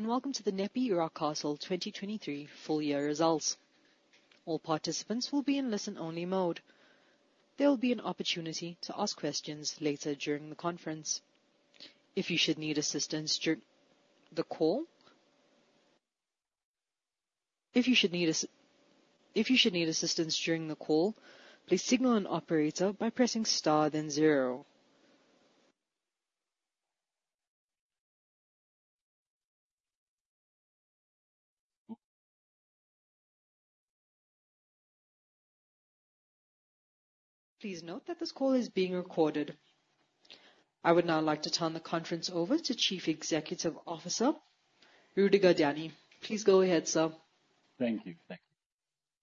Welcome to the NEPI Rockcastle 2023 full-year results. All participants will be in listen-only mode. There will be an opportunity to ask questions later during the conference. If you should need assistance during the call, please signal an operator by pressing star, then zero. Please note that this call is being recorded. I would now like to turn the conference over to Chief Executive Officer Rüdiger Dany. Please go ahead, sir. Thank you. Thank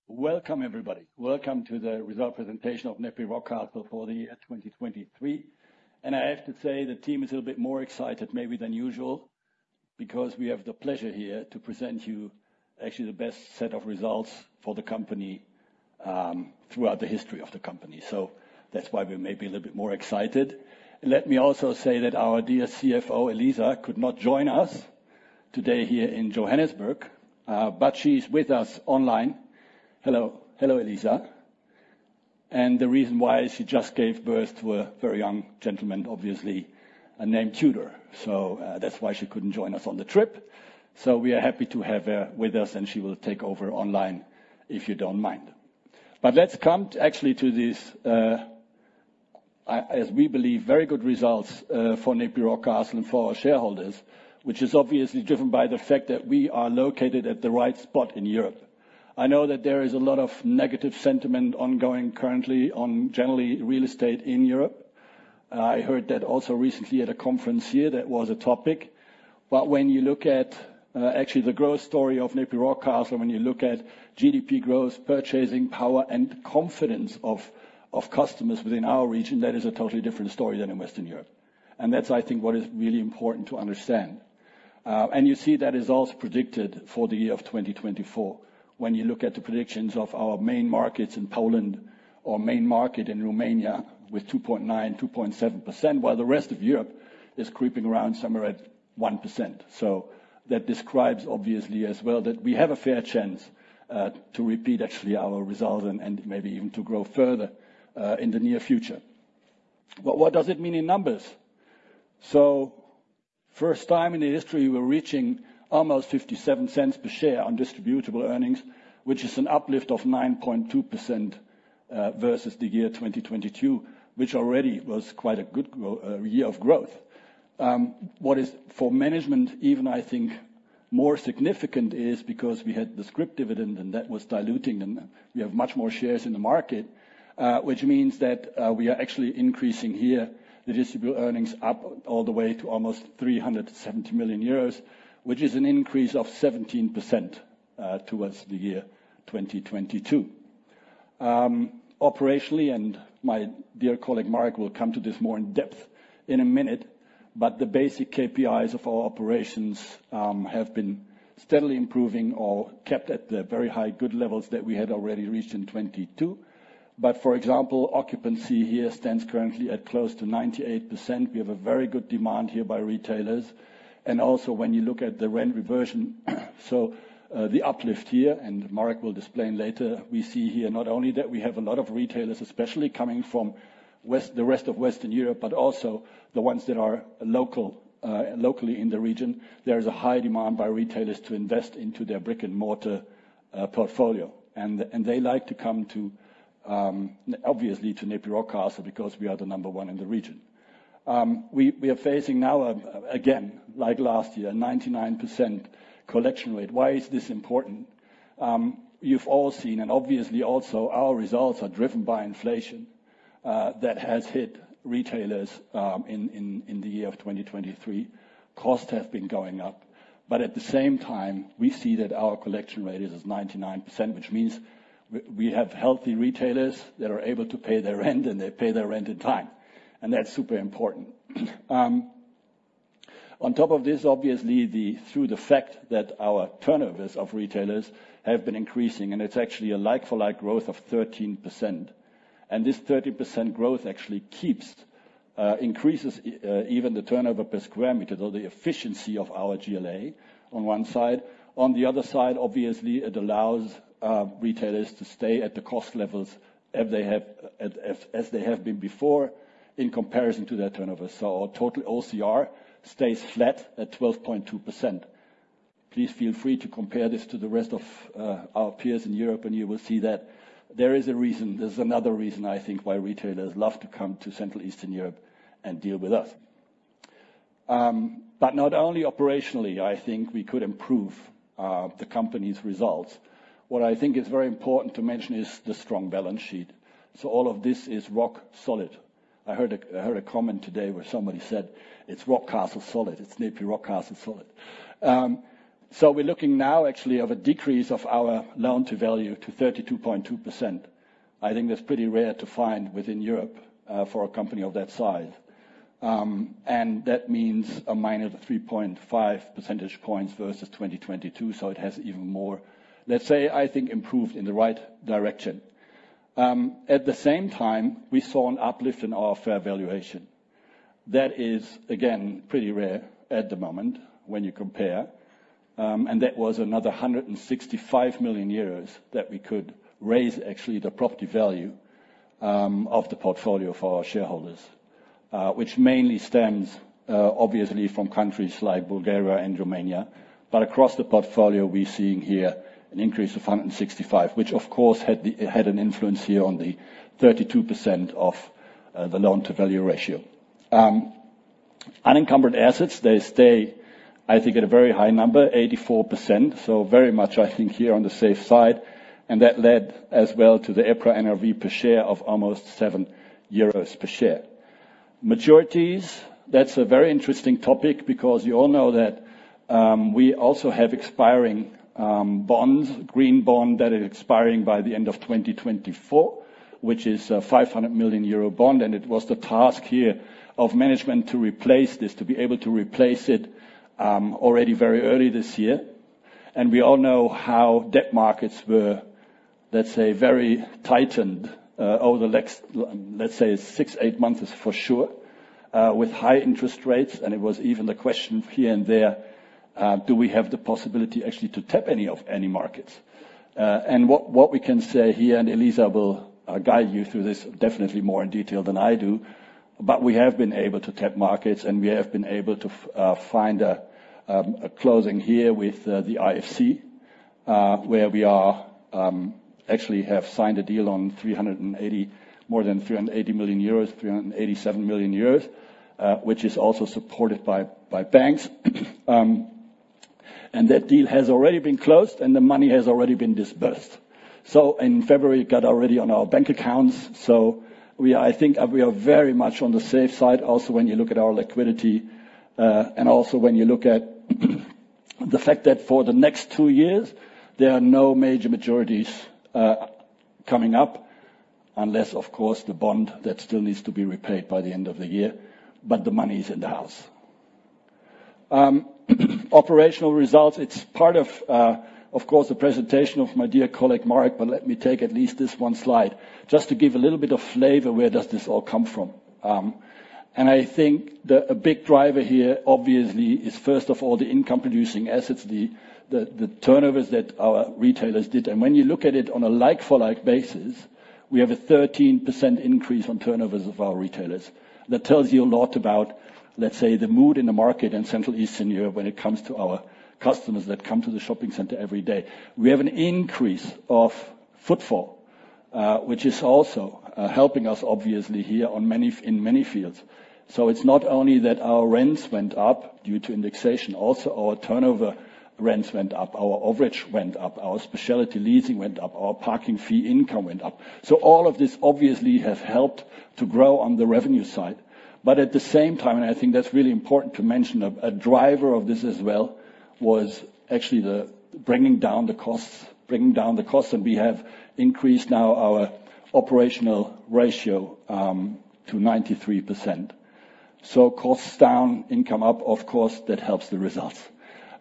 you. Welcome, everybody. Welcome to the results presentation of NEPI Rockcastle for the year 2023. I have to say the team is a little bit more excited maybe than usual because we have the pleasure here to present you actually the best set of results for the company throughout the history of the company. So that's why we may be a little bit more excited. Let me also say that our dear CFO, Eliza, could not join us today here in Johannesburg, but she's with us online. Hello. Hello, Eliza. The reason why is she just gave birth to a very young gentleman, obviously, named Tudor. So that's why she couldn't join us on the trip. So we are happy to have her with us, and she will take over online if you don't mind. But let's come actually to these, as we believe, very good results for NEPI Rockcastle and for our shareholders, which is obviously driven by the fact that we are located at the right spot in Europe. I know that there is a lot of negative sentiment ongoing currently on generally real estate in Europe. I heard that also recently at a conference here that was a topic. But when you look at actually the growth story of NEPI Rockcastle, when you look at GDP growth, purchasing power, and confidence of customers within our region, that is a totally different story than in Western Europe. And that's, I think, what is really important to understand. You see that is also predicted for the year of 2024 when you look at the predictions of our main markets in Poland or main market in Romania with 2.9%, 2.7%, while the rest of Europe is creeping around somewhere at 1%. That describes obviously as well that we have a fair chance to repeat actually our results and maybe even to grow further in the near future. What does it mean in numbers? First time in the history, we're reaching almost 0.57 per share on distributable earnings, which is an uplift of 9.2% versus the year 2022, which already was quite a good year of growth. What is for management even, I think, more significant is because we had the scrip dividend, and that was diluting, and we have much more shares in the market, which means that we are actually increasing here the distributable earnings up all the way to almost 370 million euros, which is an increase of 17% towards the year 2022. Operationally, and my dear colleague Marek will come to this more in depth in a minute, but the basic KPIs of our operations have been steadily improving or kept at the very high good levels that we had already reached in 2022. But for example, occupancy here stands currently at close to 98%. We have a very good demand here by retailers. Also when you look at the rent reversion, so the uplift here, and Marek will explain later, we see here not only that we have a lot of retailers, especially coming from the rest of Western Europe, but also the ones that are locally in the region. There is a high demand by retailers to invest into their brick-and-mortar portfolio. They like to come to, obviously, to NEPI Rockcastle because we are the number one in the region. We are facing now, again, like last year, 99% collection rate. Why is this important? You've all seen, and obviously also, our results are driven by inflation that has hit retailers in the year of 2023. Costs have been going up. But at the same time, we see that our collection rate is 99%, which means we have healthy retailers that are able to pay their rent, and they pay their rent in time. That's super important. On top of this, obviously, through the fact that our turnover of retailers has been increasing, and it's actually a like-for-like growth of 13%. This 13% growth actually keeps, increases even the turnover per sq m, so the efficiency of our GLA on one side. On the other side, obviously, it allows retailers to stay at the cost levels as they have been before in comparison to their turnover. Our total OCR stays flat at 12.2%. Please feel free to compare this to the rest of our peers in Europe, and you will see that there is a reason. There's another reason, I think, why retailers love to come to Central Eastern Europe and deal with us. But not only operationally, I think we could improve the company's results. What I think is very important to mention is the strong balance sheet. So all of this is rock solid. I heard a comment today where somebody said, "It's Rockcastle solid. It's NEPI Rockcastle solid." So we're looking now actually at a decrease of our loan-to-value to 32.2%. I think that's pretty rare to find within Europe for a company of that size. And that means a -3.5 percentage points versus 2022, so it has even more, let's say, I think, improved in the right direction. At the same time, we saw an uplift in our fair valuation. That is, again, pretty rare at the moment when you compare. That was another 165 million euros that we could raise actually the property value of the portfolio for our shareholders, which mainly stems, obviously, from countries like Bulgaria and Romania. But across the portfolio, we're seeing here an increase of 165, which, of course, had an influence here on the 32% of the loan-to-value ratio. Unencumbered assets, they stay, I think, at a very high number, 84%, so very much, I think, here on the safe side. That led as well to the EPRA NRV per share of almost 7 euros per share. Maturities, that's a very interesting topic because you all know that we also have expiring bonds, green bond that is expiring by the end of 2024, which is a 500 million euro bond. It was the task here of management to replace this, to be able to replace it already very early this year. We all know how debt markets were, let's say, very tightened over the next, let's say, six to eight months for sure, with high interest rates. It was even the question here and there, do we have the possibility actually to tap any of any markets? What we can say here, and Eliza will guide you through this definitely more in detail than I do, but we have been able to tap markets, and we have been able to find a closing here with the IFC, where we actually have signed a deal on 380 million, more than 380 million euros, 387 million euros, which is also supported by banks. That deal has already been closed, and the money has already been disbursed. In February, it got already on our bank accounts. I think we are very much on the safe side also when you look at our liquidity, and also when you look at the fact that for the next two years, there are no major maturities coming up unless, of course, the bond that still needs to be repaid by the end of the year, but the money is in the house. Operational results. It's part of, of course, the presentation of my dear colleague Marek, but let me take at least this one slide just to give a little bit of flavor where does this all come from? I think a big driver here, obviously, is first of all the income-producing assets, the turnovers that our retailers did. When you look at it on a like-for-like basis, we have a 13% increase on turnovers of our retailers. That tells you a lot about, let's say, the mood in the market in Central Eastern Europe when it comes to our customers that come to the shopping centre every day. We have an increase of footfall, which is also helping us, obviously, here in many fields. So it's not only that our rents went up due to indexation, also our turnover rents went up, our overage went up, our specialty leasing went up, our parking fee income went up. So all of this obviously has helped to grow on the revenue side. But at the same time, and I think that's really important to mention, a driver of this as well was actually bringing down the costs, bringing down the costs, and we have increased now our operational ratio to 93%. So costs down, income up, of course, that helps the results.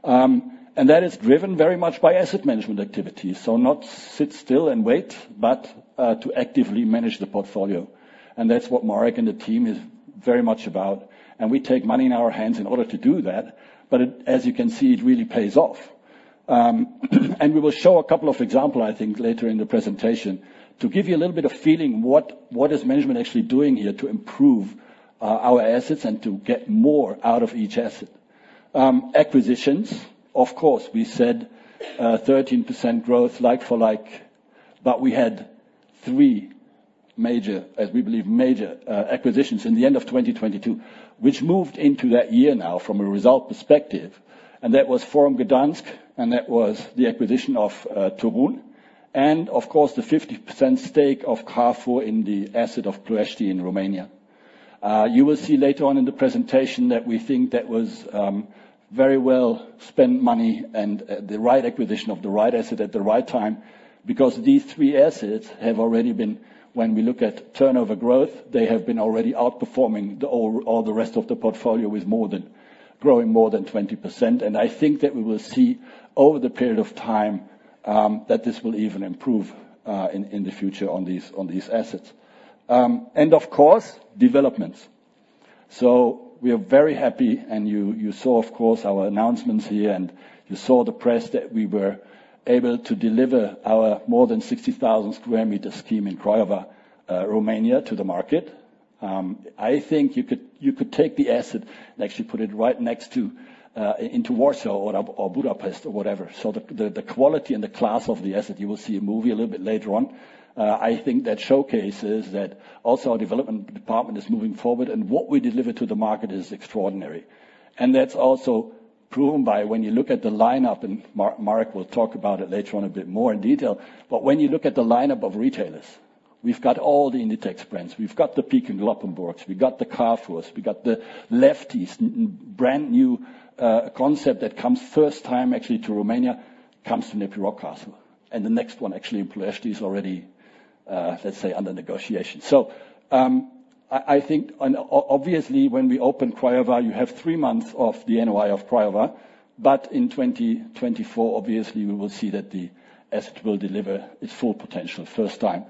And that is driven very much by asset management activities. So not sit still and wait, but to actively manage the portfolio. And that's what Marek and the team is very much about. And we take money in our hands in order to do that, but as you can see, it really pays off. And we will show a couple of examples, I think, later in the presentation to give you a little bit of feeling what is management actually doing here to improve our assets and to get more out of each asset. Acquisitions, of course, we said 13% growth like-for-like, but we had three major, as we believe, major acquisitions in the end of 2022, which moved into that year now from a result perspective. And that was Forum Gdańsk, and that was the acquisition of Toruń, and of course, the 50% stake of Carrefour in the asset of Ploiești in Romania. You will see later on in the presentation that we think that was very well spent money and the right acquisition of the right asset at the right time because these three assets have already been, when we look at turnover growth, they have been already outperforming all the rest of the portfolio with growing more than 20%. And I think that we will see over the period of time that this will even improve in the future on these assets. And of course, developments. So we are very happy, and you saw, of course, our announcements here, and you saw the press that we were able to deliver our more than 60,000 sq m scheme in Craiova, Romania, to the market. I think you could take the asset and actually put it right next to into Warsaw or Budapest or whatever. So the quality and the class of the asset, you will see a movie a little bit later on, I think that showcases that also our development department is moving forward and what we deliver to the market is extraordinary. And that's also proven by when you look at the lineup, and Marek will talk about it later on a bit more in detail, but when you look at the lineup of retailers, we've got all the Inditex brands. We've got the Peek & Cloppenburg. We've got the Carrefour. We've got the Lefties, brand new concept that comes first time actually to Romania, comes to NEPI Rockcastle. And the next one actually in Ploiești is already, let's say, under negotiation. So I think, obviously, when we open Craiova, you have three months of the NOI of Craiova, but in 2024, obviously, we will see that the asset will deliver its full potential first time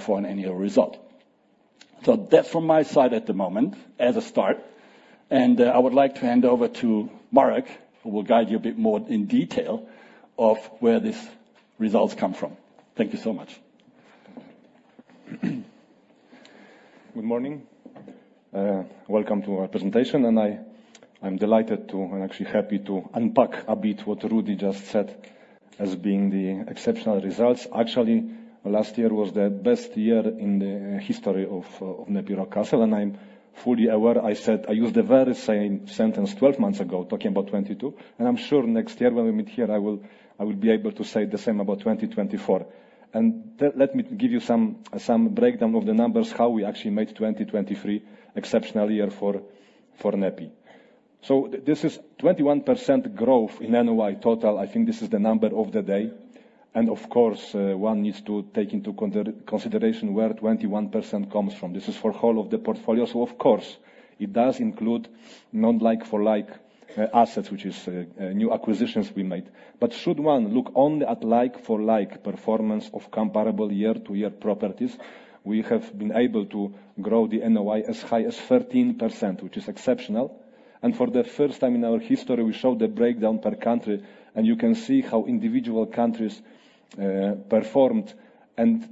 for an annual result. So that's from my side at the moment as a start. And I would like to hand over to Marek, who will guide you a bit more in detail of where these results come from. Thank you so much. Good morning. Welcome to our presentation. And I'm delighted to and actually happy to unpack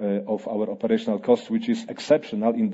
a bit what Rudi just said as being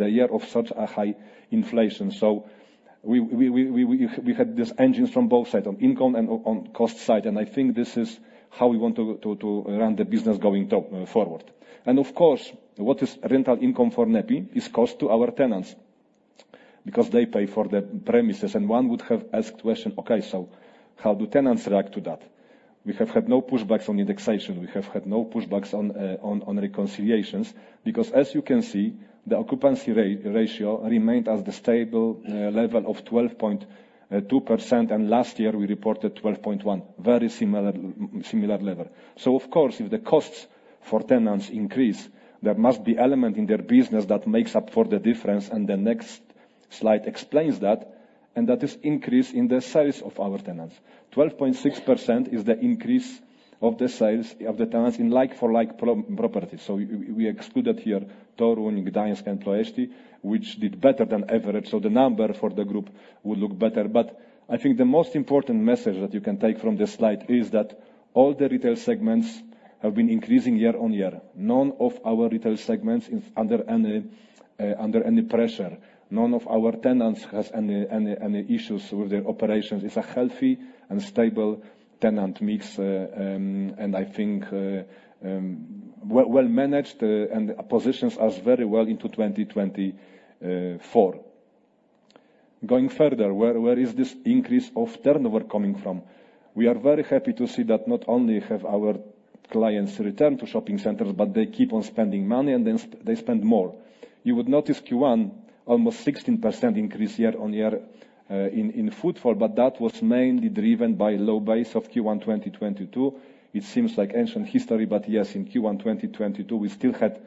and stable tenant mix. And I think well-managed and positions us very well into 2024. Going further, where is this increase of turnover coming from? We are very happy to see that not only have our clients returned to shopping centers, but they keep on spending money, and then they spend more. You would notice Q1, almost 16% increase year-on-year in footfall, but that was mainly driven by a low base of Q1 2022. It seems like ancient history, but yes, in Q1 2022, we still had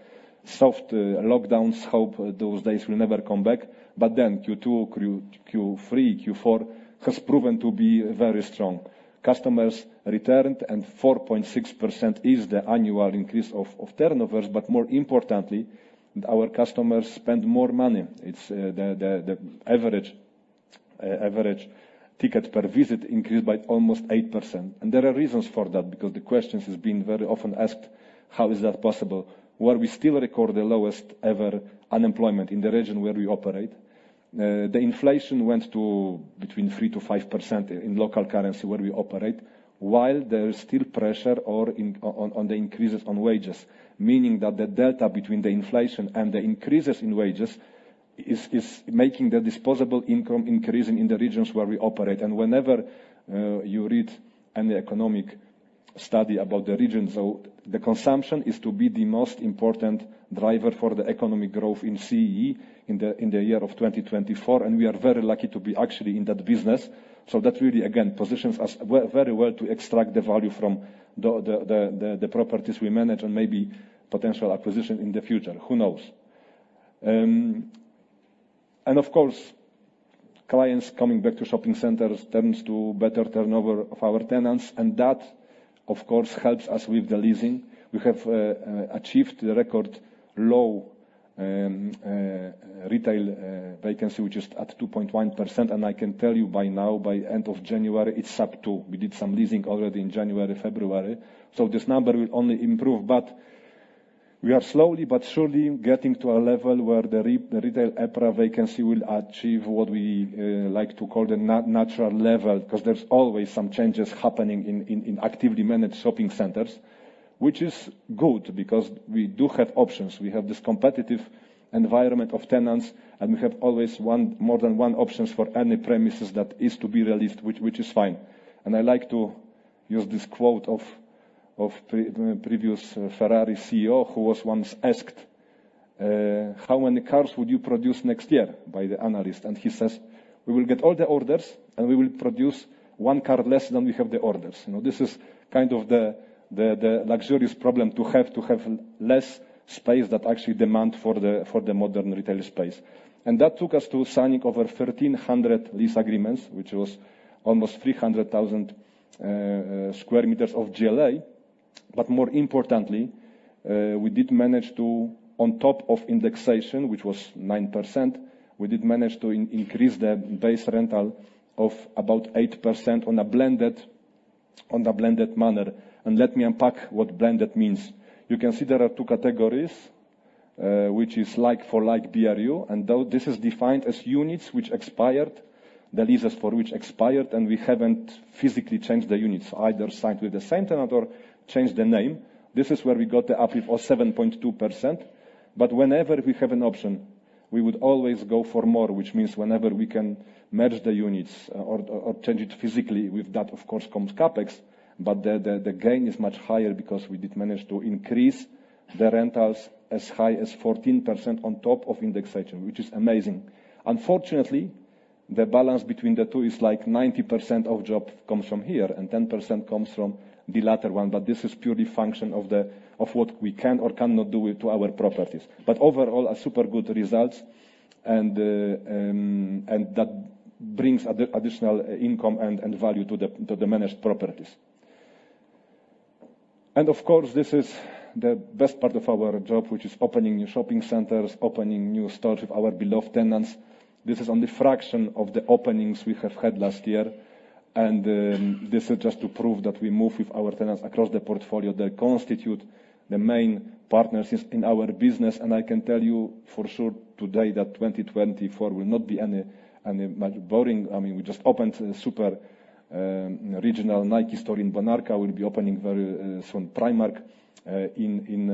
soft lockdowns. Hope those days will never come back. But then Q2, Q3, Q4 has proven to be very strong. Customers returned, and 4.6% is the annual increase of turnovers. But more importantly, our customers spend more money. It's the average ticket per visit increased by almost 8%. And there are reasons for that because the question has been very often asked, how is that possible? Where we still record the lowest ever unemployment in the region where we operate. The inflation went to between 3%-5% in local currency where we operate, while there is still pressure on the increases on wages, meaning that the delta between the inflation and the increases in wages is making the disposable income increase in the regions where we operate. Whenever you read any economic study about the region, so the consumption is to be the most important driver for the economic growth in CEE in the year of 2024. We are very lucky to be actually in that business. That really, again, positions us very well to extract the value from the properties we manage and maybe potential acquisition in the future. Who knows? Of course, clients coming back to shopping centers turns to better turnover of our tenants. That, of course, helps us with the leasing. We have achieved the record low retail vacancy, which is at 2.1%. And I can tell you by now, by the end of January, it's sub 2%. We did some leasing already in January, February. So this number will only improve. But we are slowly, but surely getting to a level where the retail EPRA vacancy will achieve what we like to call the natural level because there's always some changes happening in actively managed shopping centers, which is good because we do have options. We have this competitive environment of tenants, and we have always more than one option for any premises that is to be released, which is fine. And I like to use this quote of previous Ferrari CEO who was once asked, "How many cars would you produce next year?" by the analyst. And he says, "We will get all the orders, and we will produce 1 car less than we have the orders." This is kind of the luxurious problem to have, to have less space that actually demands for the modern retail space. That took us to signing over 1,300 lease agreements, which was almost 300,000 sq m of GLA. But more importantly, we did manage to, on top of indexation, which was 9%, we did manage to increase the base rental of about 8% on a blended manner. Let me unpack what blended means. You can see there are two categories, which is like-for-like BRU. This is defined as units which expired, the leases for which expired, and we haven't physically changed the units. So either signed with the same tenant or changed the name. This is where we got the uplift of 7.2%. But whenever we have an option, we would always go for more, which means whenever we can merge the units or change it physically, with that, of course, comes CapEx. But the gain is much higher because we did manage to increase the rentals as high as 14% on top of indexation, which is amazing. Unfortunately, the balance between the two is like 90% of job comes from here and 10% comes from the latter one. But this is purely a function of what we can or cannot do to our properties. But overall, super good results. And that brings additional income and value to the managed properties. And of course, this is the best part of our job, which is opening new shopping centers, opening new stores with our beloved tenants. This is only a fraction of the openings we have had last year. This is just to prove that we move with our tenants across the portfolio. They constitute the main partners in our business. I can tell you for sure today that 2024 will not be any much boring. I mean, we just opened a super regional Nike store in Bonarka. We'll be opening very soon Primark in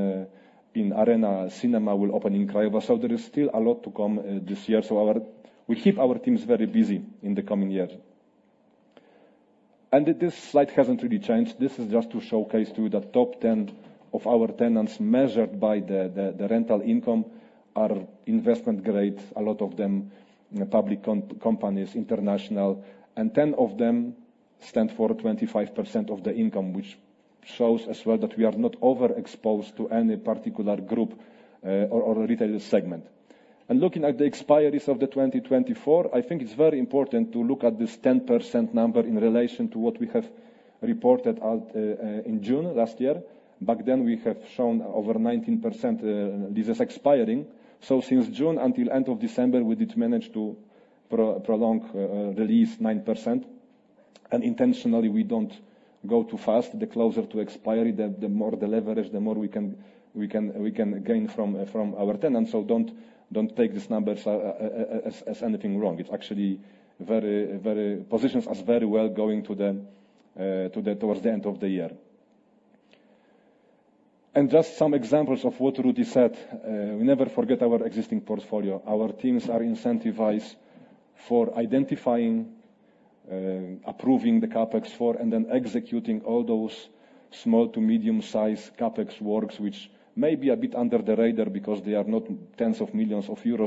Arena Mall. We'll open in Craiova. So there is still a lot to come this year. So we keep our teams very busy in the coming year. This slide hasn't really changed. This is just to showcase to you that top 10 of our tenants measured by the rental income are investment grade, a lot of them public companies, international. And 10 of them stand for 25% of the income, which shows as well that we are not overexposed to any particular group or retail segment. Looking at the expiries of 2024, I think it's very important to look at this 10% number in relation to what we have reported in June last year. Back then, we have shown over 19% leases expiring. Since June until the end of December, we did manage to prolong release 9%. Intentionally, we don't go too fast. The closer to expiry, the more the leverage, the more we can gain from our tenants. Don't take these numbers as anything wrong. It actually positions us very well going towards the end of the year. Just some examples of what Rudi said. We never forget our existing portfolio. Our teams are incentivized for identifying, approving the CapEx for, and then executing all those small to medium-sized CapEx works, which may be a bit under the radar because they are not tens of millions of EUR.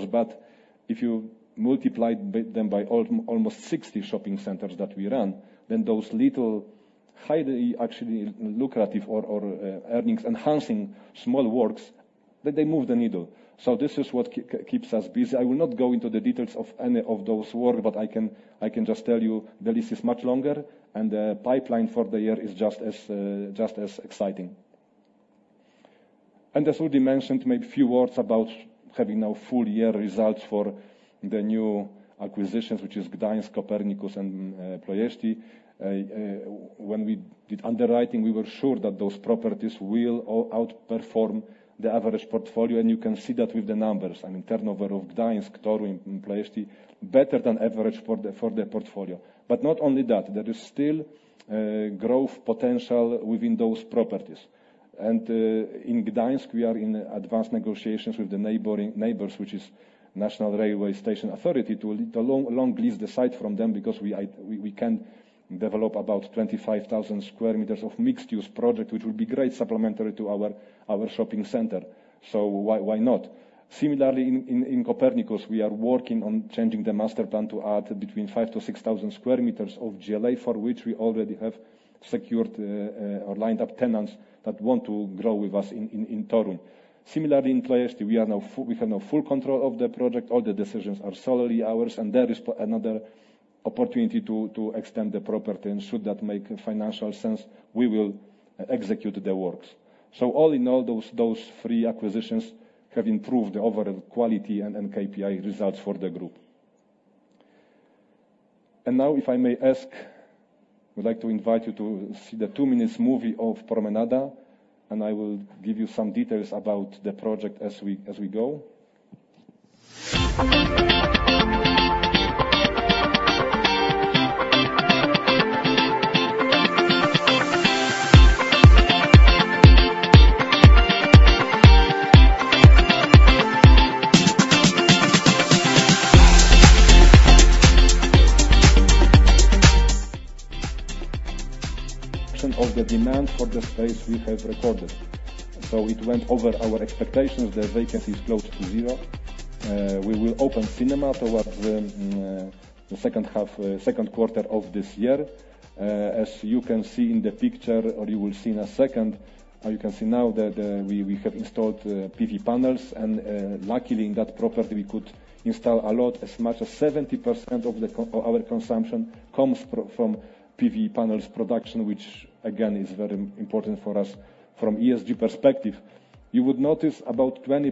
But if you multiplied them by almost 60 shopping centers that we run, then those little, highly actually lucrative or earnings-enhancing small works, they move the needle. So this is what keeps us busy. I will not go into the details of any of those works, but I can just tell you the lease is much longer. And the pipeline for the year is just as exciting. And as Rudi mentioned, maybe a few words about having now full year results for the new acquisitions, which is Gdańsk, Copernicus, and Ploiești. When we did underwriting, we were sure that those properties will outperform the average portfolio. You can see that with the numbers. I mean, turnover of Gdańsk, Toruń, Ploiești, better than average for the portfolio. Not only that. There is still growth potential within those properties. In Gdańsk, we are in advanced negotiations with the neighbours, which is National Railway Station Authority, to long lease the site from them because we can develop about 25,000 sq m of mixed-use project, which will be great supplementary to our shopping centre. So why not? Similarly, in Copernicus, we are working on changing the master plan to add between 5,000 sq m-6,000 sq m of GLA, for which we already have secured or lined up tenants that want to grow with us in Toruń. Similarly, in Ploiești, we have now full control of the project. All the decisions are solely ours. There is another opportunity to extend the property. Should that make financial sense, we will execute the works. All in all, those three acquisitions have improved the overall quality and KPI results for the group. Now, if I may ask, I would like to invite you to see the two-minute movie of Promenada. I will give you some details about the project as we go. Of the demand for the space we have recorded. It went over our expectations. The vacancy is close to zero. We will open cinema towards the second quarter of this year. As you can see in the picture, or you will see in a second, or you can see now that we have installed PV panels. Luckily, in that property, we could install a lot. As much as 70% of our consumption comes from PV panels production, which, again, is very important for us from ESG perspective. You would notice about 20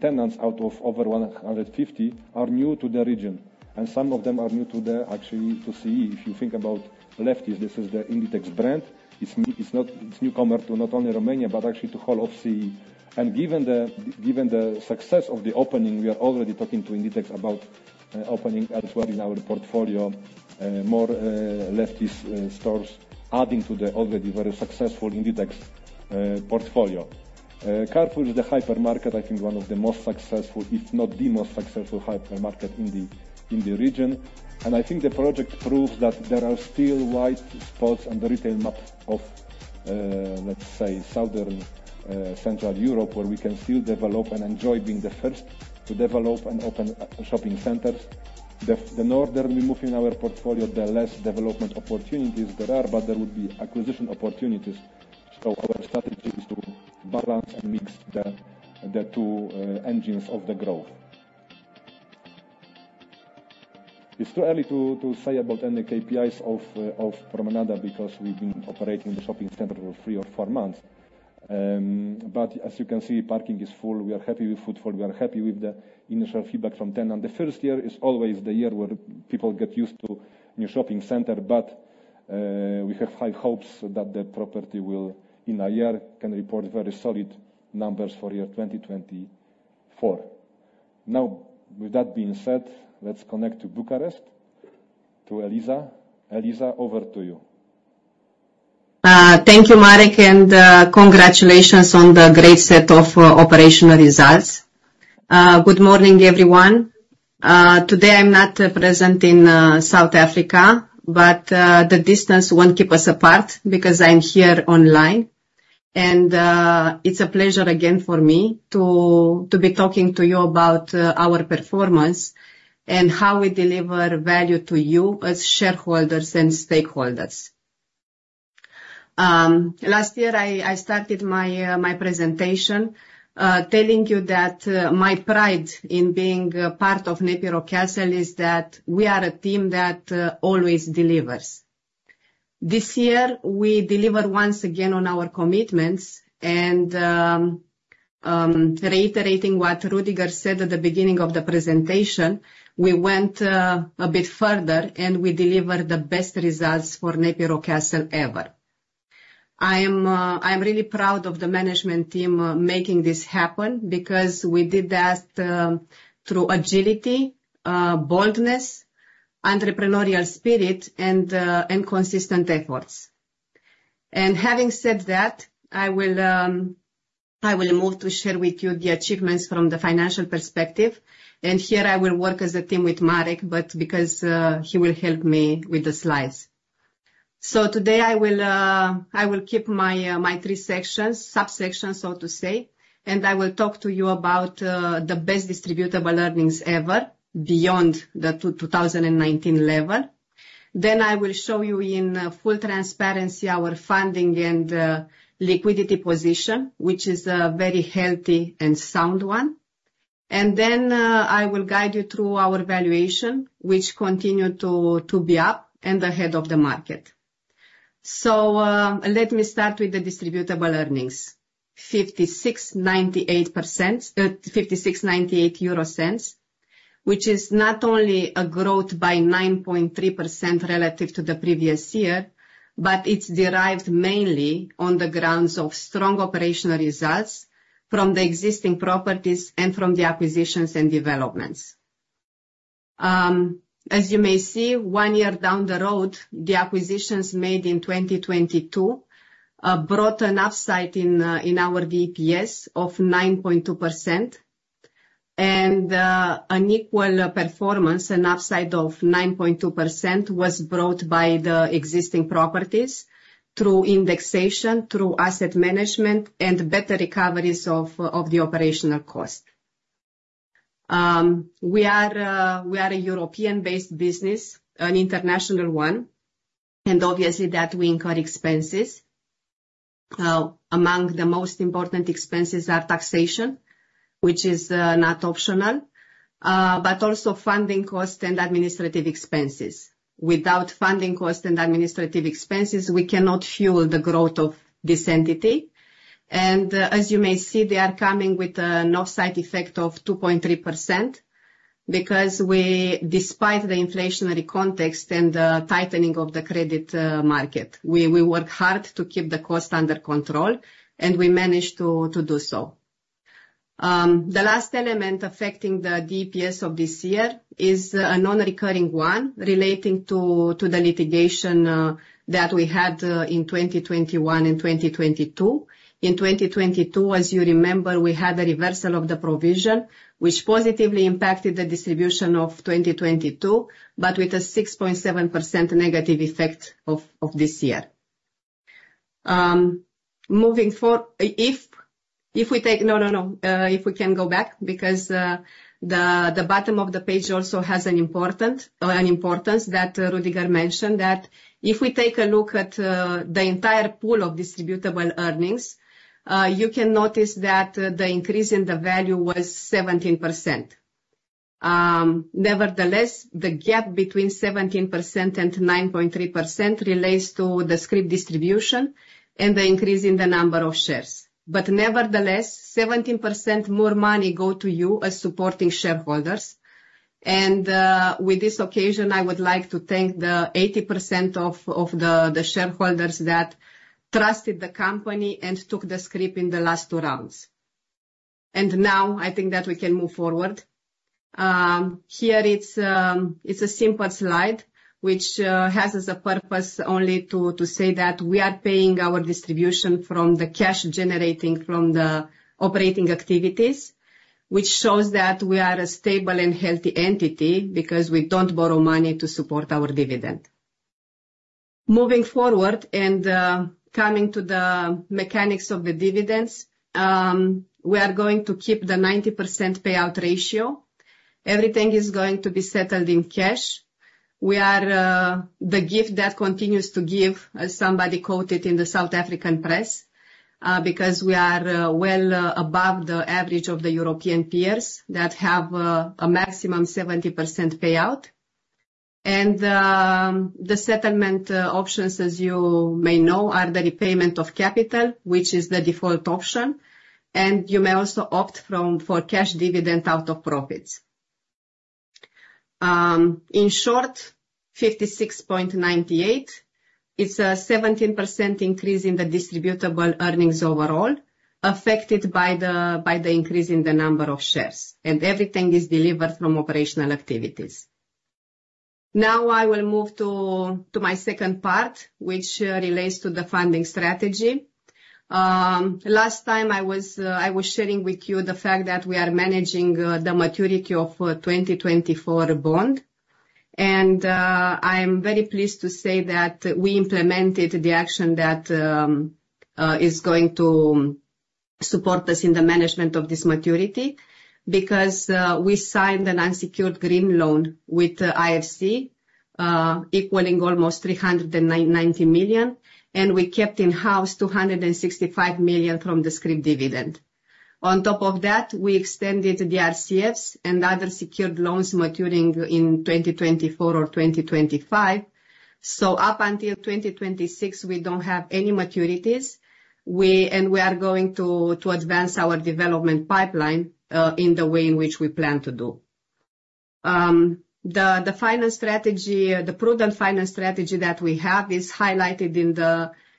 tenants out of over 150 are new to the region. And some of them are new to the actually to CEE. If you think about Lefties, this is the Inditex brand. It's a newcomer to not only Romania, but actually to all of CEE. And given the success of the opening, we are already talking to Inditex about opening elsewhere in our portfolio more Lefties stores, adding to the already very successful Inditex portfolio. Carrefour is the hypermarket, I think, one of the most successful, if not the most successful hypermarket in the region. I think the project proves that there are still white spots on the retail map of, let's say, southern Central Europe, where we can still develop and enjoy being the first to develop and open shopping centers. The northern we move in our portfolio, the less development opportunities there are, but there would be acquisition opportunities. Our strategy is to balance and mix the two engines of the growth. It's too early to say about any KPIs of Promenada because we've been operating the shopping center for three or four months. But as you can see, parking is full. We are happy with footfall. We are happy with the initial feedback from tenants. The first year is always the year where people get used to new shopping center. But we have high hopes that the property will, in a year, can report very solid numbers for year 2024. Now, with that being said, let's connect to Bucharest, to Eliza. Eliza, over to you. Thank you, Marek. Congratulations on the great set of operational results. Good morning, everyone. Today, I'm not present in South Africa, but the distance won't keep us apart because I'm here online. It's a pleasure again for me to be talking to you about our performance and how we deliver value to you as shareholders and stakeholders. Last year, I started my presentation telling you that my pride in being part of NEPI Rockcastle is that we are a team that always delivers. This year, we deliver once again on our commitments. Reiterating what Rüdiger said at the beginning of the presentation, we went a bit further, and we delivered the best results for NEPI Rockcastle ever. I am really proud of the management team making this happen because we did that through agility, boldness, entrepreneurial spirit, and consistent efforts. Having said that, I will move to share with you the achievements from the financial perspective. Here, I will work as a team with Marek, but because he will help me with the slides. Today, I will keep my three sections, subsections, so to say. I will talk to you about the best distributable earnings ever beyond the 2019 level. Then, I will show you in full transparency our funding and liquidity position, which is a very healthy and sound one. Then, I will guide you through our valuation, which continues to be up and ahead of the market. So let me start with the distributable earnings: 56.98 euro, which is not only a growth by 9.3% relative to the previous year, but it's derived mainly on the grounds of strong operational results from the existing properties and from the acquisitions and developments. As you may see, one year down the road, the acquisitions made in 2022 brought an upside in our VPS of 9.2%. And an equal performance, an upside of 9.2%, was brought by the existing properties through indexation, through asset management, and better recoveries of the operational cost. We are a European-based business, an international one. And obviously, that we incur expenses. Among the most important expenses are taxation, which is not optional, but also funding costs and administrative expenses. Without funding costs and administrative expenses, we cannot fuel the growth of this entity. As you may see, they are coming with an off-site effect of 2.3% because, despite the inflationary context and the tightening of the credit market, we work hard to keep the cost under control. And we managed to do so. The last element affecting the DPS of this year is a non-recurring one relating to the litigation that we had in 2021 and 2022. In 2022, as you remember, we had a reversal of the provision, which positively impacted the distribution of 2022, but with a 6.7% negative effect of this year. Moving forward, if we can go back because the bottom of the page also has an importance that Rüdiger mentioned, that if we take a look at the entire pool of distributable earnings, you can notice that the increase in the value was 17%. Nevertheless, the gap between 17% and 9.3% relates to the scrip distribution and the increase in the number of shares. But nevertheless, 17% more money goes to you as supporting shareholders. And with this occasion, I would like to thank the 80% of the shareholders that trusted the company and took the scrip in the last two rounds. And now, I think that we can move forward. Here, it's a simple slide, which has as a purpose only to say that we are paying our distribution from the cash generating from the operating activities, which shows that we are a stable and healthy entity because we don't borrow money to support our dividend. Moving forward and coming to the mechanics of the dividends, we are going to keep the 90% payout ratio. Everything is going to be settled in cash. We are the gift that continues to give, as somebody quoted in the South African press, because we are well above the average of the European peers that have a maximum 70% payout. The settlement options, as you may know, are the repayment of capital, which is the default option. You may also opt for cash dividend out of profits. In short, 56.98, it's a 17% increase in the distributable earnings overall affected by the increase in the number of shares. Everything is delivered from operational activities. Now, I will move to my second part, which relates to the funding strategy. Last time, I was sharing with you the fact that we are managing the maturity of 2024 bond. I am very pleased to say that we implemented the action that is going to support us in the management of this maturity because we signed an unsecured green loan with IFC, equaling almost 390 million. We kept in-house 265 million from the scrip dividend. On top of that, we extended the RCFs and other secured loans maturing in 2024 or 2025. Up until 2026, we don't have any maturities. We are going to advance our development pipeline in the way in which we plan to do. The prudent finance strategy that we have is highlighted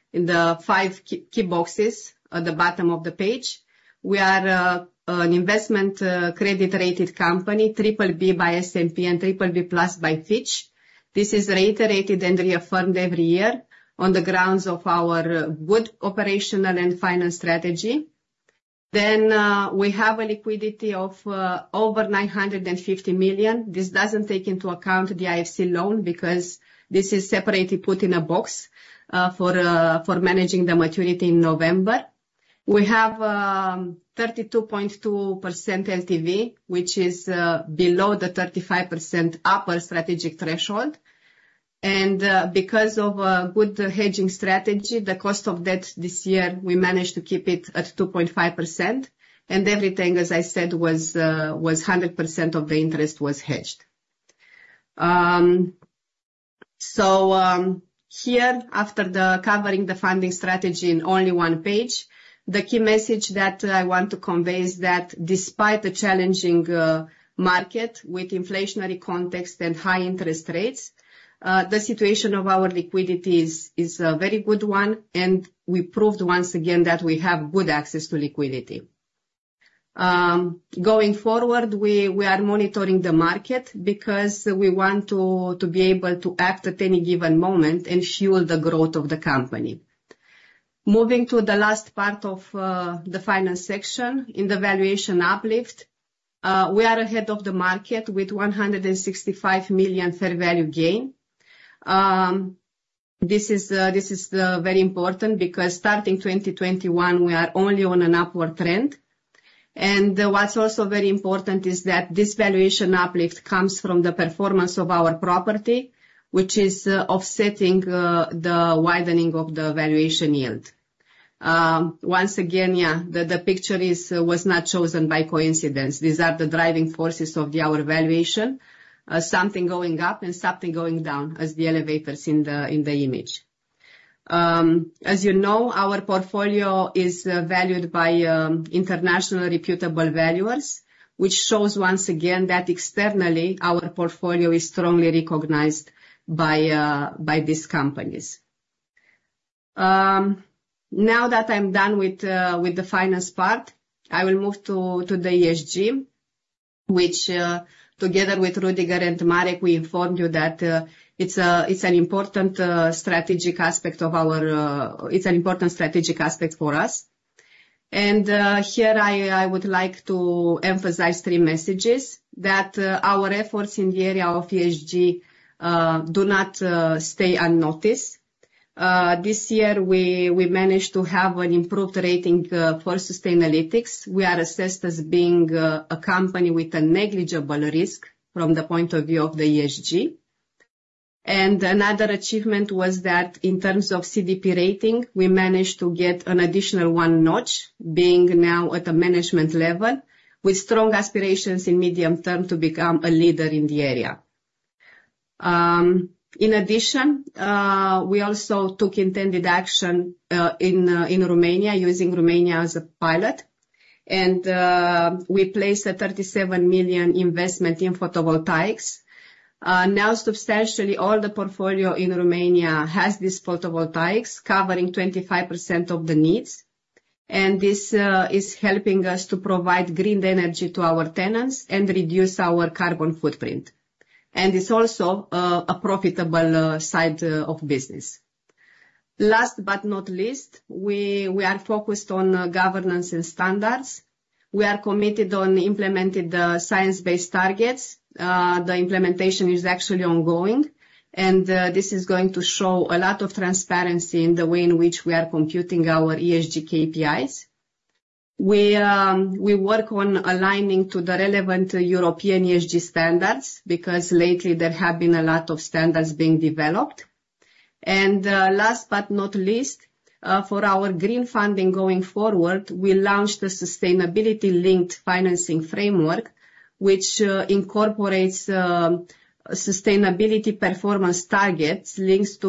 in the five key boxes at the bottom of the page. We are an investment-grade credit-rated company, BBB by S&P and BBB+ by Fitch. This is reiterated and reaffirmed every year on the grounds of our good operational and finance strategy. Then, we have a liquidity of over 950 million. This doesn't take into account the IFC loan because this is separately put in a box for managing the maturity in November. We have 32.2% LTV, which is below the 35% upper strategic threshold. And because of a good hedging strategy, the cost of debt this year, we managed to keep it at 2.5%. And everything, as I said, was 100% of the interest was hedged. So here, after covering the funding strategy in only one page, the key message that I want to convey is that despite the challenging market with inflationary context and high interest rates, the situation of our liquidity is a very good one. And we proved once again that we have good access to liquidity. Going forward, we are monitoring the market because we want to be able to act at any given moment and fuel the growth of the company. Moving to the last part of the finance section, in the valuation uplift, we are ahead of the market with 165 million Fair Value Gain. This is very important because starting 2021, we are only on an upward trend. What's also very important is that this valuation uplift comes from the performance of our property, which is offsetting the widening of the valuation yield. Once again, yeah, the picture was not chosen by coincidence. These are the driving forces of our valuation: something going up and something going down, as the elevators in the image. As you know, our portfolio is valued by international reputable valuers, which shows once again that externally, our portfolio is strongly recognized by these companies. Now that I'm done with the finance part, I will move to the ESG, which together with Rüdiger and Marek, we informed you that it's an important strategic aspect of our it's an important strategic aspect for us. And here, I would like to emphasize three messages: that our efforts in the area of ESG do not stay unnoticed. This year, we managed to have an improved rating for Sustainalytics. We are assessed as being a company with a negligible risk from the point of view of the ESG. And another achievement was that in terms of CDP rating, we managed to get an additional one notch, being now at a management level with strong aspirations in medium term to become a leader in the area. In addition, we also took intended action in Romania using Romania as a pilot. And we placed a 37 million investment in photovoltaics. Now, substantially, all the portfolio in Romania has these photovoltaics, covering 25% of the needs. This is helping us to provide green energy to our tenants and reduce our carbon footprint. It's also a profitable side of business. Last but not least, we are focused on governance and standards. We are committed on implementing the science-based targets. The implementation is actually ongoing. This is going to show a lot of transparency in the way in which we are computing our ESG KPIs. We work on aligning to the relevant European ESG standards because lately, there have been a lot of standards being developed. And last but not least, for our green funding going forward, we launched a sustainability-linked financing framework, which incorporates sustainability performance targets linked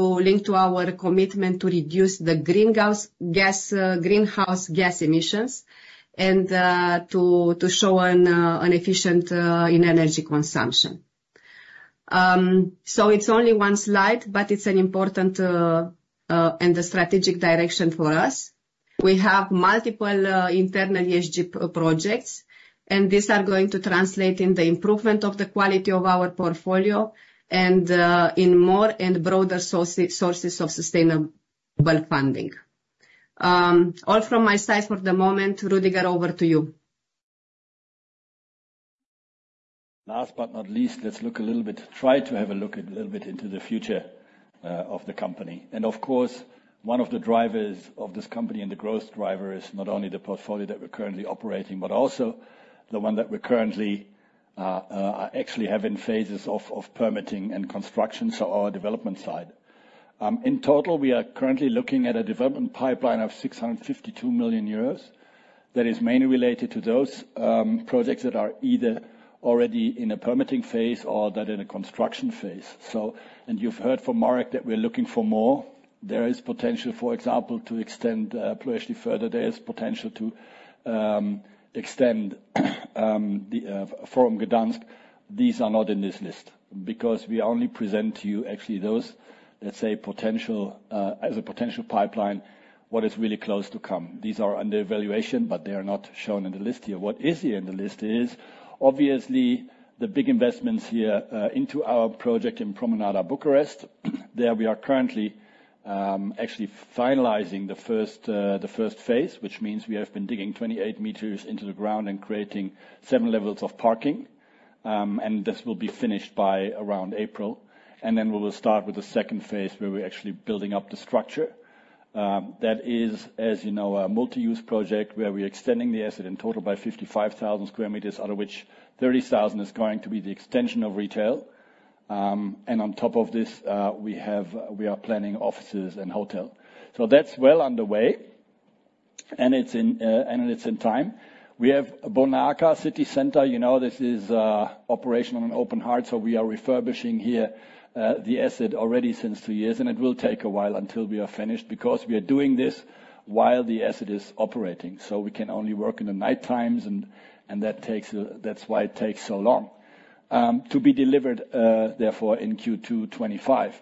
to our commitment to reduce the greenhouse gas emissions and to show an efficient energy consumption. So it's only one slide, but it's important and the strategic direction for us. We have multiple internal ESG projects. These are going to translate in the improvement of the quality of our portfolio and in more and broader sources of sustainable funding. All from my side for the moment. Rüdiger, over to you. Last but not least, let's look a little bit into the future of the company. Of course, one of the drivers of this company and the growth driver is not only the portfolio that we're currently operating, but also the one that we currently actually have in phases of permitting and construction, so our development side. In total, we are currently looking at a development pipeline of 652 million euros that is mainly related to those projects that are either already in a permitting phase or that are in a construction phase. You've heard from Marek that we're looking for more. There is potential, for example, to extend Ploiești further. There is potential to extend Forum Gdańsk. These are not in this list because we only present to you actually those, let's say, as a potential pipeline, what is really close to come. These are under evaluation, but they are not shown in the list here. What is here in the list is, obviously, the big investments here into our project in Promenada Bucharest. There, we are currently actually finalizing the first phase, which means we have been digging 28 m into the ground and creating seven levels of parking. This will be finished by around April. And then we will start with the second phase where we're actually building up the structure. That is, as you know, a multi-use project where we're extending the asset in total by 55,000 sq m, out of which 30,000 is going to be the extension of retail. And on top of this, we are planning offices and hotels. So that's well underway. And it's in time. We have Bonarka City Center. You know, this is operation on an open heart. So we are refurbishing here the asset already since two years. And it will take a while until we are finished because we are doing this while the asset is operating. So we can only work in the nighttimes. And that's why it takes so long to be delivered, therefore, in Q225.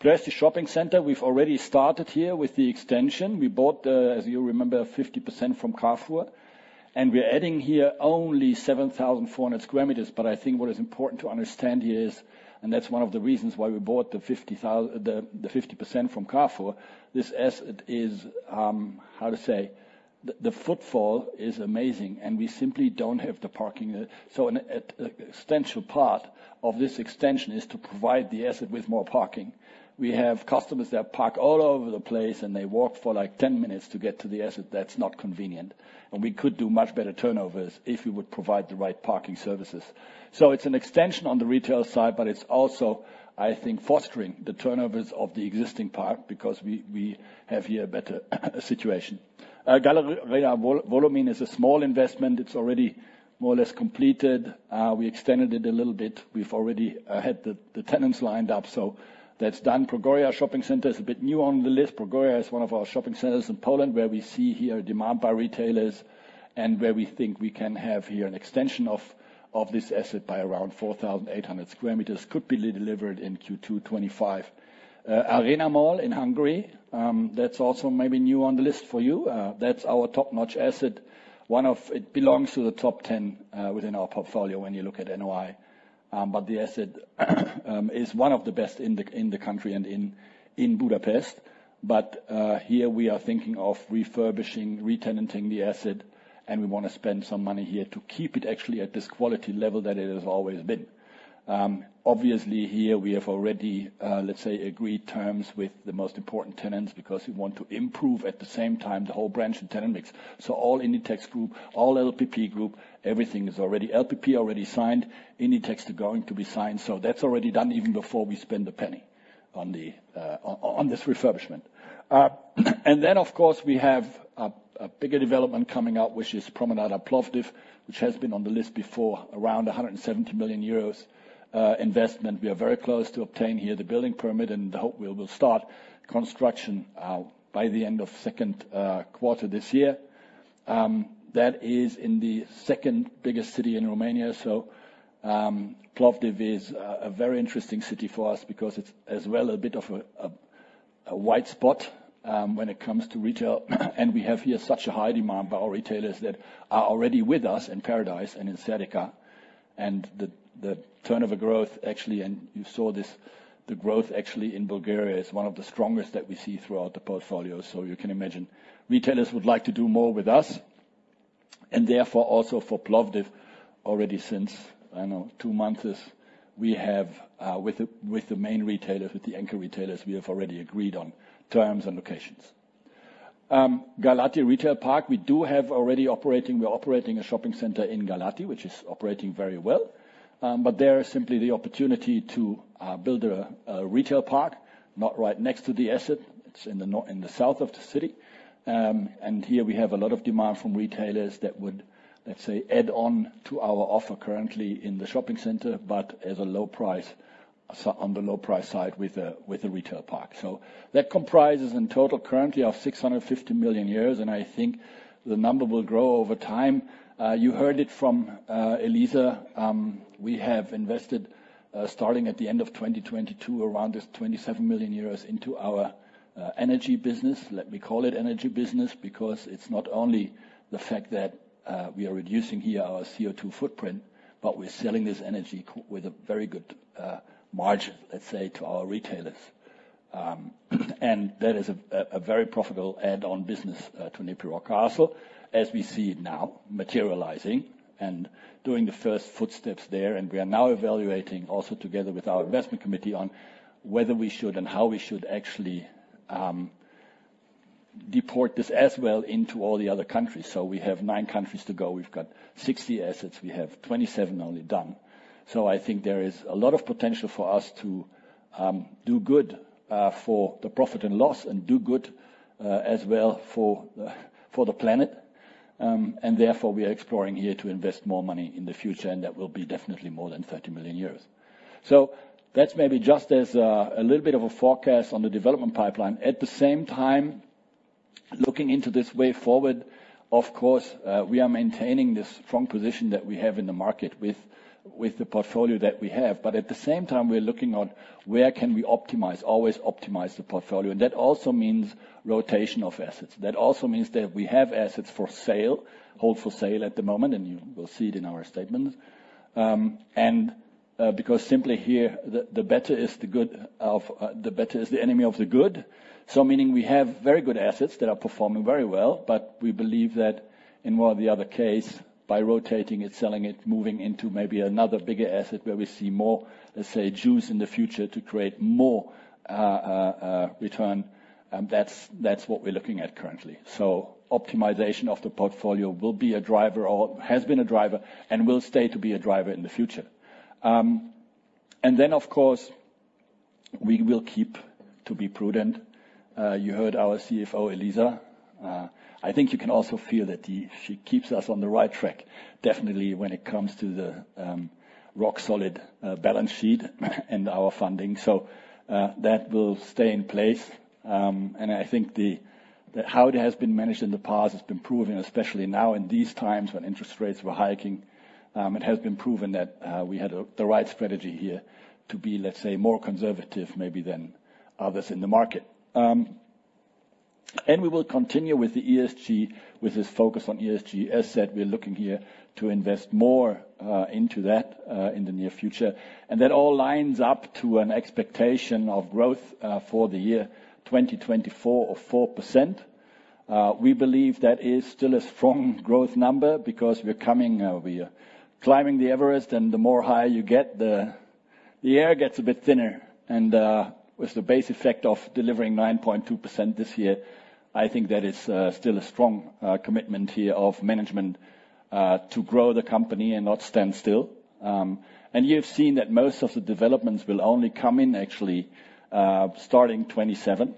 Ploiești Shopping Center, we've already started here with the extension. We bought, as you remember, 50% from Carrefour. We're adding here only 7,400 sq m. I think what is important to understand here is, and that's one of the reasons why we bought the 50% from Carrefour, this asset is, how to say, the footfall is amazing. We simply don't have the parking. An essential part of this extension is to provide the asset with more parking. We have customers that park all over the place, and they walk for like 10 minutes to get to the asset. That's not convenient. We could do much better turnovers if we would provide the right parking services. It's an extension on the retail side, but it's also, I think, fostering the turnovers of the existing park because we have here a better situation. Galeria Wołomin is a small investment. It's already more or less completed. We extended it a little bit. We've already had the tenants lined up. So that's done. Pogoria Shopping Center is a bit new on the list. Pogoria is one of our shopping centers in Poland where we see here demand by retailers and where we think we can have here an extension of this asset by around 4,800 sq m. Could be delivered in Q2 2025. Arena Mall in Hungary, that's also maybe new on the list for you. That's our top-notch asset. It belongs to the top 10 within our portfolio when you look at NOI. But the asset is one of the best in the country and in Budapest. But here, we are thinking of refurbishing, retenanting the asset. And we want to spend some money here to keep it actually at this quality level that it has always been. Obviously, here, we have already, let's say, agreed terms with the most important tenants because we want to improve at the same time the whole branch and tenant mix. So all Inditex Group, all LPP Group, everything is already LPP already signed. Inditex is going to be signed. So that's already done even before we spend a penny on this refurbishment. And then, of course, we have a bigger development coming out, which is Promenada Plovdiv, which has been on the list before, around 170 million euros investment. We are very close to obtaining here the building permit. And we will start construction by the end of the second quarter this year. That is in the second biggest city in Romania. So Plovdiv is a very interesting city for us because it's as well a bit of a white spot when it comes to retail. We have here such a high demand by our retailers that are already with us in Paradise and in Serdica. The turnover growth, actually, and you saw this, the growth actually in Bulgaria is one of the strongest that we see throughout the portfolio. You can imagine, retailers would like to do more with us. Therefore, also for Plovdiv, already since, I don't know, two months, we have with the main retailers, with the anchor retailers, we have already agreed on terms and locations. Galați Retail Park, we do have already operating. We're operating a shopping center in Galați, which is operating very well. There is simply the opportunity to build a retail park, not right next to the asset. It's in the south of the city. And here, we have a lot of demand from retailers that would, let's say, add on to our offer currently in the shopping center, but as a low price, on the low price side with a retail park. So that comprises in total currently of 650 million. And I think the number will grow over time. You heard it from Eliza. We have invested, starting at the end of 2022, around this 27 million euros into our energy business. Let me call it energy business because it's not only the fact that we are reducing here our CO2 footprint, but we're selling this energy with a very good margin, let's say, to our retailers. And that is a very profitable add-on business to NEPI Rockcastle, as we see it now materializing and doing the first footsteps there. We are now evaluating also together with our investment committee on whether we should and how we should actually deploy this as well into all the other countries. So we have nine countries to go. We've got 60 assets. We have 27 only done. So I think there is a lot of potential for us to do good for the profit and loss and do good as well for the planet. And therefore, we are exploring here to invest more money in the future. And that will be definitely more than 30 million euros. So that's maybe just as a little bit of a forecast on the development pipeline. At the same time, looking into this way forward, of course, we are maintaining this strong position that we have in the market with the portfolio that we have. But at the same time, we're looking at where can we optimize, always optimize the portfolio. And that also means rotation of assets. That also means that we have assets for sale, hold for sale at the moment. And you will see it in our statements. And because simply here, the better is the good of the better is the enemy of the good. So meaning we have very good assets that are performing very well. But we believe that in one or the other case, by rotating it, selling it, moving into maybe another bigger asset where we see more, let's say, juice in the future to create more return, that's what we're looking at currently. So optimization of the portfolio will be a driver or has been a driver and will stay to be a driver in the future. Then, of course, we will keep to be prudent. You heard our CFO, Eliza. I think you can also feel that she keeps us on the right track, definitely, when it comes to the rock-solid balance sheet and our funding. So that will stay in place. And I think how it has been managed in the past has been proven, especially now in these times when interest rates were hiking. It has been proven that we had the right strategy here to be, let's say, more conservative maybe than others in the market. And we will continue with the ESG, with this focus on ESG asset. We're looking here to invest more into that in the near future. And that all lines up to an expectation of growth for the year 2024 of 4%. We believe that is still a strong growth number because we're coming, we're climbing the Everest. The more higher you get, the air gets a bit thinner. With the base effect of delivering 9.2% this year, I think that is still a strong commitment here of management to grow the company and not stand still. You have seen that most of the developments will only come in actually starting 2027,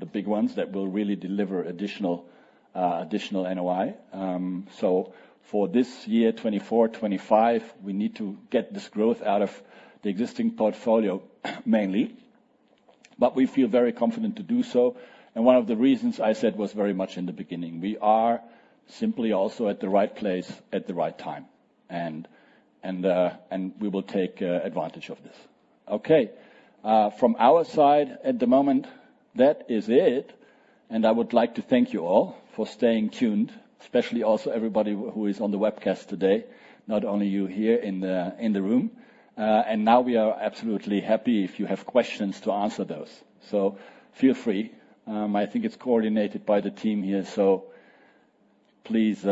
the big ones that will really deliver additional NOI. For this year, 2024, 2025, we need to get this growth out of the existing portfolio mainly. But we feel very confident to do so. One of the reasons I said was very much in the beginning. We are simply also at the right place at the right time. We will take advantage of this. Okay. From our side at the moment, that is it. I would like to thank you all for staying tuned, especially also everybody who is on the webcast today, not only you here in the room. Now we are absolutely happy if you have questions to answer those. Feel free. I think it's coordinated by the team here. Please.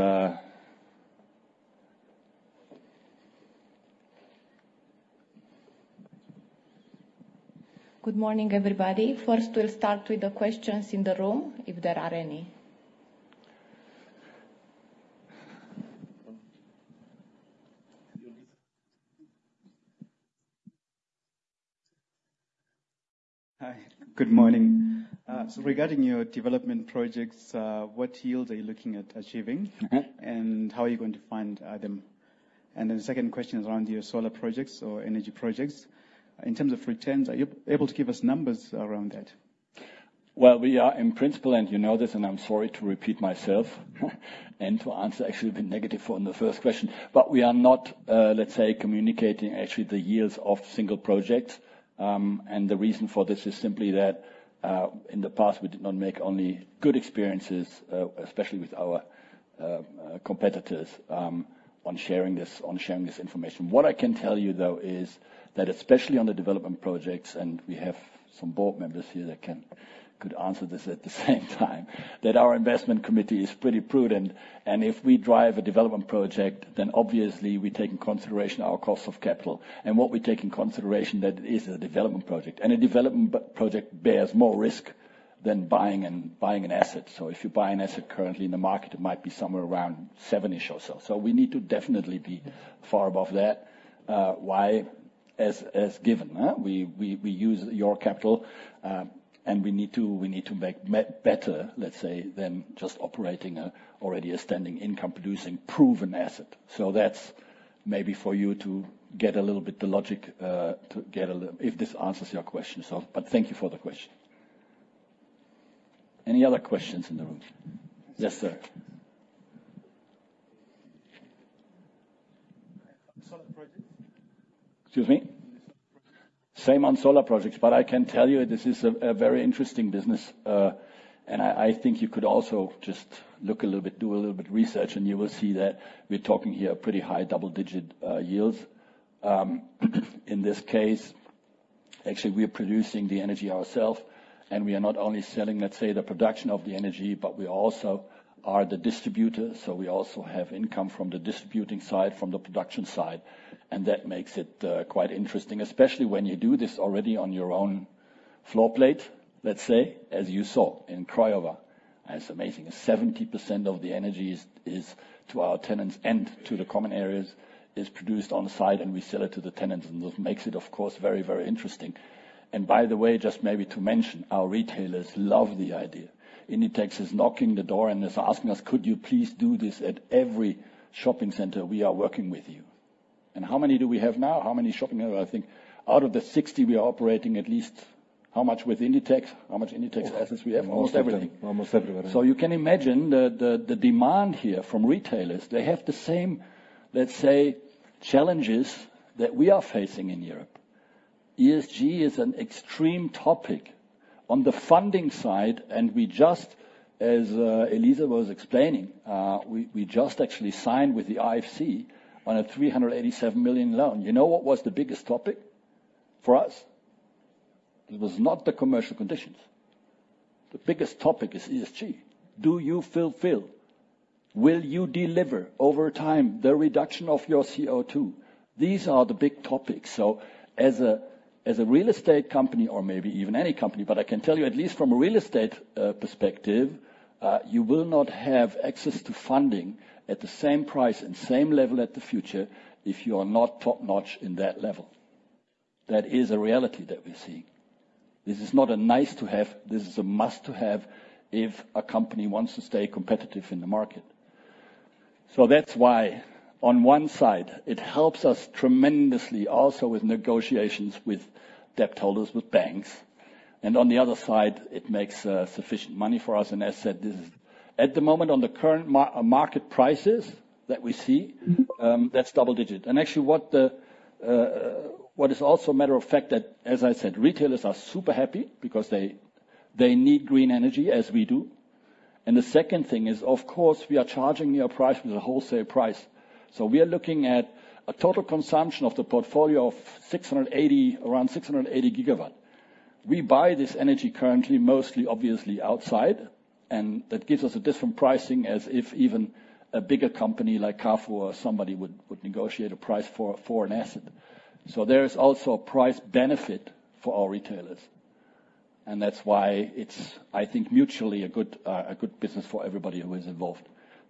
Good morning, everybody. First, we'll start with the questions in the room, if there are any. Hi. Good morning. Regarding your development projects, what yield are you looking at achieving? And how are you going to find them? And then the second question is around your solar projects or energy projects. In terms of returns, are you able to give us numbers around that? Well, we are in principle, and you know this, and I'm sorry to repeat myself and to answer actually a bit negative on the first question. But we are not, let's say, communicating actually the yields of single projects. The reason for this is simply that in the past, we did not make only good experiences, especially with our competitors, on sharing this information. What I can tell you, though, is that especially on the development projects, and we have some board members here that could answer this at the same time, that our investment committee is pretty prudent. If we drive a development project, then obviously, we take into consideration our cost of capital. What we take into consideration, that it is a development project. A development project bears more risk than buying an asset. So if you buy an asset currently in the market, it might be somewhere around seven-ish or so. We need to definitely be far above that. Why? As given. We use your capital. We need to make better, let's say, than just operating already a standing income-producing proven asset. That's maybe for you to get a little bit the logic to get a little if this answers your question. But thank you for the question. Any other questions in the room? Yes, sir. Solar projects? Excuse me? Same on solar projects. I can tell you, this is a very interesting business. I think you could also just look a little bit, do a little bit of research. You will see that we're talking here a pretty high double-digit yields. In this case, actually, we are producing the energy ourselves. We are not only selling, let's say, the production of the energy, but we also are the distributor. So we also have income from the distributing side, from the production side. That makes it quite interesting, especially when you do this already on your own floor plate, let's say, as you saw in Craiova. It's amazing. 70% of the energy is to our tenants and to the common areas, is produced on-site. We sell it to the tenants. This makes it, of course, very, very interesting. By the way, just maybe to mention, our retailers love the idea. Inditex is knocking the door and is asking us, "Could you please do this at every shopping center we are working with you?" How many do we have now? How many shopping centers? I think out of the 60 we are operating, at least how much with Inditex? How much Inditex assets we have? Almost everything. Almost everywhere. So you can imagine the demand here from retailers. They have the same, let's say, challenges that we are facing in Europe. ESG is an extreme topic on the funding side. We just, as Eliza was explaining, we just actually signed with the IFC on a 387 million loan. You know what was the biggest topic for us? It was not the commercial conditions. The biggest topic is ESG. Do you fulfill? Will you deliver over time the reduction of your CO2? These are the big topics. As a real estate company, or maybe even any company, but I can tell you at least from a real estate perspective, you will not have access to funding at the same price and same level at the future if you are not top-notch in that level. That is a reality that we're seeing. This is not a nice-to-have. This is a must-have if a company wants to stay competitive in the market. So that's why, on one side, it helps us tremendously also with negotiations with debt holders, with banks. And on the other side, it makes sufficient money for us and assets. This is, at the moment, on the current market prices that we see, that's double-digit. And actually, what is also a matter of fact that, as I said, retailers are super happy because they need green energy as we do. And the second thing is, of course, we are charging your price with a wholesale price. So we are looking at a total consumption of the portfolio of 680, around 680 gigawatt. We buy this energy currently mostly, obviously, outside. And that gives us a different pricing as if even a bigger company like Carrefour or somebody would negotiate a price for an asset. So there is also a price benefit for our retailers. And that's why it's, I think, mutually a good business for everybody who is involved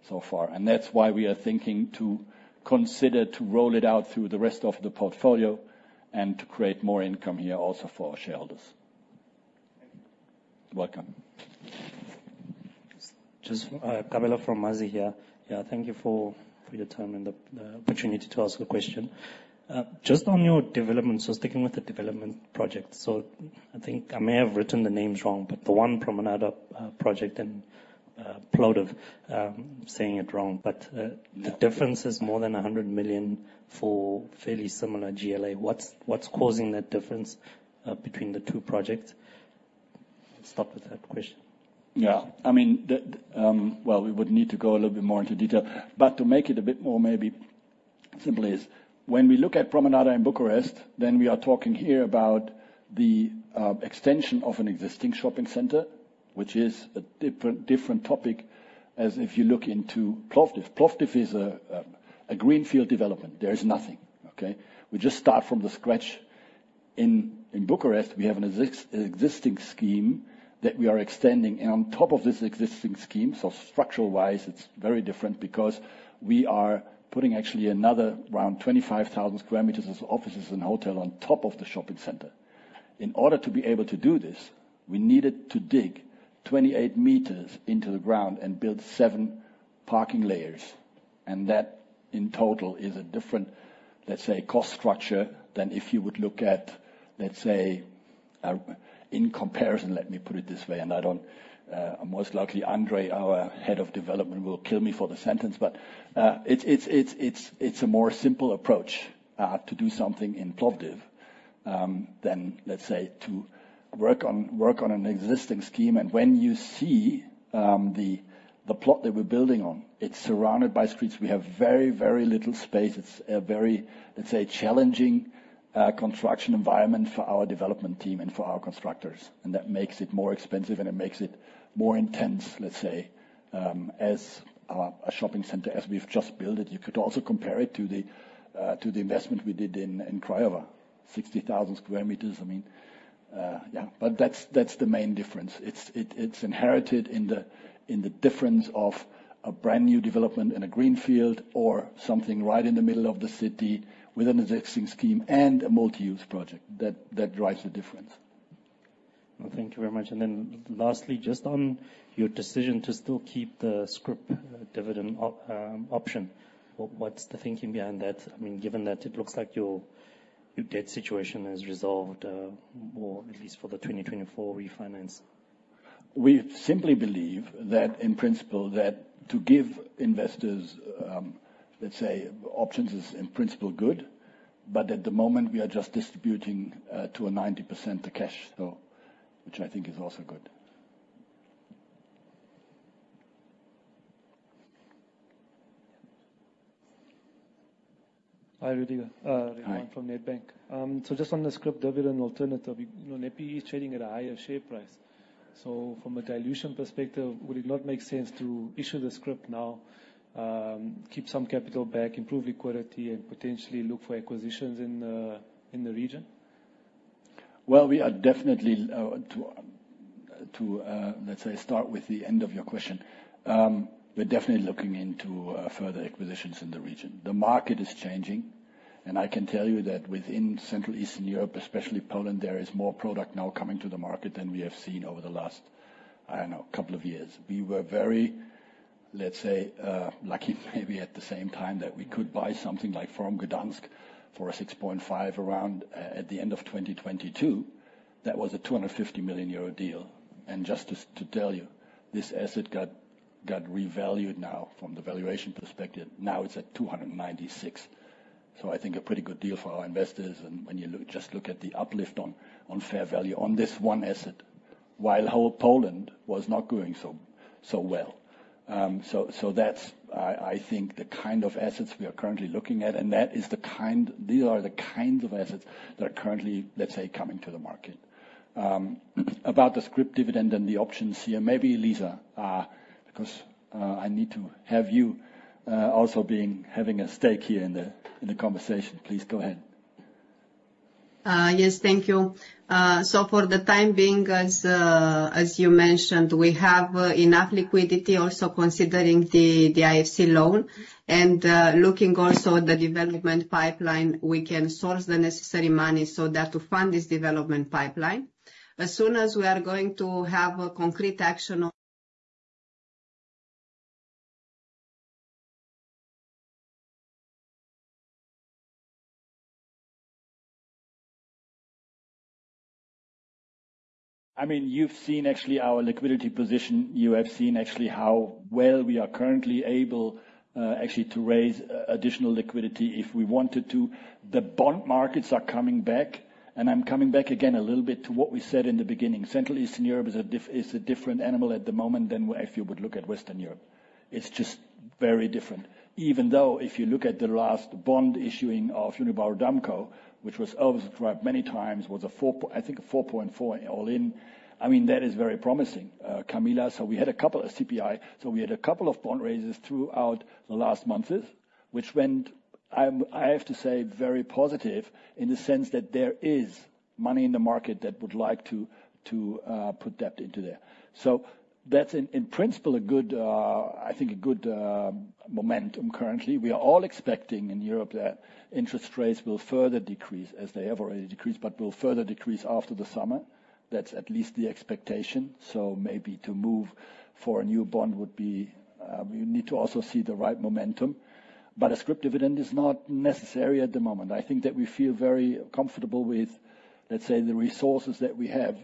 so far. And that's why we are thinking to consider to roll it out through the rest of the portfolio and to create more income here also for our shareholders. Thank you. Welcome. Just Camila from Mazi here. Yeah, thank you for your time and the opportunity to ask a question. Just on your development, sticking with the development project. So I think I may have written the names wrong, but the one from Promenada project and Plovdiv saying it wrong. But the difference is more than 100 million for fairly similar GLA. What's causing that difference between the two projects? Thanks for that question. Yeah. I mean, well, we would need to go a little bit more into detail. But to make it a bit more maybe simple is, when we look at Promenada in Bucharest, then we are talking here about the extension of an existing shopping center, which is a different topic as if you look into Plovdiv. Plovdiv is a greenfield development. There is nothing, okay? We just start from the scratch. In Bucharest, we have an existing scheme that we are extending. And on top of this existing scheme, so structural-wise, it's very different because we are putting actually another around 25,000 sq m of offices and hotels on top of the shopping center. In order to be able to do this, we needed to dig 28 m into the ground and build seven parking layers. That in total is a different, let's say, cost structure than if you would look at, let's say, in comparison. Let me put it this way, and I don't—most likely Andrei, our head of development, will kill me for the sentence. But it's a more simple approach to do something in Plovdiv than, let's say, to work on an existing scheme. And when you see the plot that we're building on, it's surrounded by streets. We have very, very little space. It's a very, let's say, challenging construction environment for our development team and for our constructors. And that makes it more expensive. And it makes it more intense, let's say, as a shopping center as we've just built it. You could also compare it to the investment we did in Craiova, 60,000 sq m. I mean, yeah. But that's the main difference. It's inherent in the difference of a brand new development in a greenfield or something right in the middle of the city with an existing scheme and a multi-use project. That drives the difference. Well, thank you very much. Then lastly, just on your decision to still keep the scrip dividend option, what's the thinking behind that? I mean, given that it looks like your debt situation is resolved, or at least for the 2024 refinance. We simply believe that, in principle, that to give investors, let's say, options is, in principle, good. But at the moment, we are just distributing to a 90% the cash, which I think is also good. Hi, Rüdiger. Hi. Ruan from Nedbank. So just on the scrip dividend alternative, NEPI is trading at a higher share price. So from a dilution perspective, would it not make sense to issue scrip now, keep some capital back, improve liquidity, and potentially look for acquisitions in the region? Well, we are definitely, let's say, start with the end of your question. We're definitely looking into further acquisitions in the region. The market is changing. And I can tell you that within Central Eastern Europe, especially Poland, there is more product now coming to the market than we have seen over the last, I don't know, couple of years. We were very, let's say, lucky maybe at the same time that we could buy something like Forum Gdańsk for a 6.5 around at the end of 2022. That was a 250 million euro deal. And just to tell you, this asset got revalued now from the valuation perspective. Now it's at 296 million. So I think a pretty good deal for our investors. And when you just look at the uplift on fair value on this one asset, while Poland was not doing so well. So that's, I think, the kind of assets we are currently looking at. And that is the kind these are the kinds of assets that are currently, let's say, coming to the market. About the scrip dividend and the options here, maybe, Eliza, because I need to have you also having a stake here in the conversation. Please go ahead. Yes, thank you. So for the time being, as you mentioned, we have enough liquidity also considering the IFC loan. And looking also at the development pipeline, we can source the necessary money so that to fund this development pipeline. As soon as we are going to have concrete action on. I mean, you've seen actually our liquidity position. You have seen actually how well we are currently able actually to raise additional liquidity if we wanted to. The bond markets are coming back. And I'm coming back again a little bit to what we said in the beginning. Central Eastern Europe is a different animal at the moment than if you would look at Western Europe. It's just very different. Even though if you look at the last bond issuing of Unibail-Rodamco-Westfield, which was oversubscribed many times, was a, I think, a 4.4 all-in. I mean, that is very promising, Camila. So we had a couple of CPI. So we had a couple of bond raises throughout the last months, which went, I have to say, very positive in the sense that there is money in the market that would like to put debt into there. So that's, in principle, a good, I think, a good momentum currently. We are all expecting in Europe that interest rates will further decrease as they have already decreased, but will further decrease after the summer. That's at least the expectation. So maybe to move for a new bond would be we need to also see the right momentum. But a Scrip dividend is not necessary at the moment. I think that we feel very comfortable with, let's say, the resources that we have.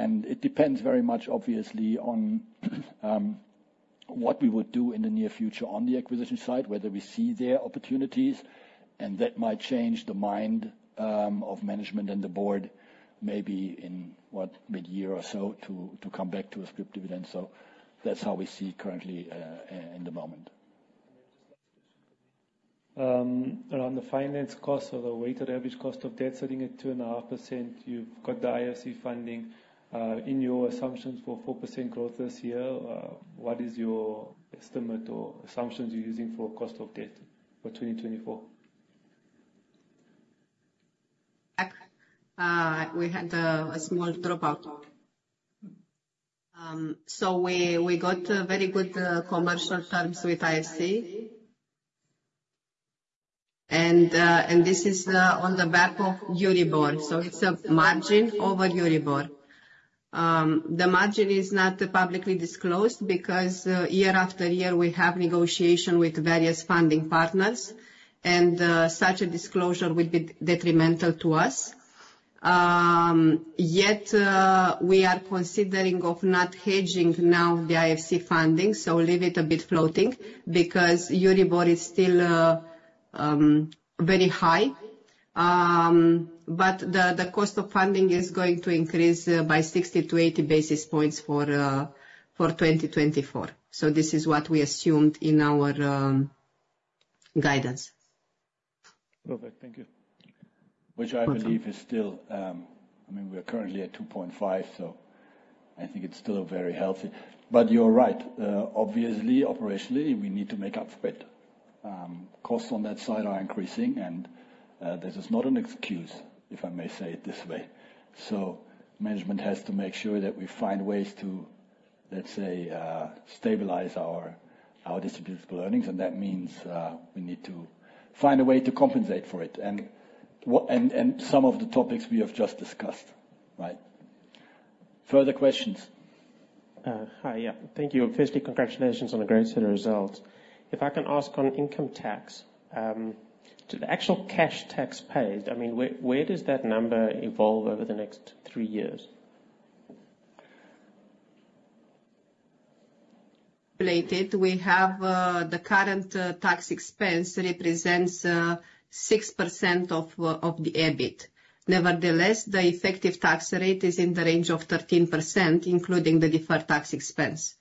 And it depends very much, obviously, on what we would do in the near future on the acquisition side, whether we see there opportunities. And that might change the mind of management and the board maybe in what, mid-year or so to come back to a Scrip dividend. So that's how we see currently in the moment. And then just last question for me. Around the finance cost of the weighted average cost of debt, setting it 2.5%, you've got the IFC funding. In your assumptions for 4% growth this year, what is your estimate or assumptions you're using for cost of debt for 2024? We had a small dropout. So we got very good commercial terms with IFC. And this is on the back of Euribor. So it's a margin over Euribor. The margin is not publicly disclosed because year after year, we have negotiation with various funding partners. And such a disclosure would be detrimental to us. Yet we are considering of not hedging now the IFC funding. So leave it a bit floating because Euribor is still very high. But the cost of funding is going to increase by 60-80 basis points for 2024. So this is what we assumed in our guidance. Perfect. Thank you. Which I believe is still—I mean, we are currently at 2.5. So I think it's still very healthy. But you're right. Obviously, operationally, we need to make up for it. Costs on that side are increasing. And this is not an excuse, if I may say it this way. So management has to make sure that we find ways to, let's say, stabilize our distributable earnings. And that means we need to find a way to compensate for it and some of the topics we have just discussed, right? Further questions? Hi. Yeah. Thank you. Firstly, congratulations on a great set of results. If I can ask on income tax, to the actual cash tax paid, I mean, where does that number evolve over the next three years? Related, we have the current tax expense represents 6% of the EBIT. Nevertheless, the effective tax rate is in the range of 13%, including the deferred tax expense.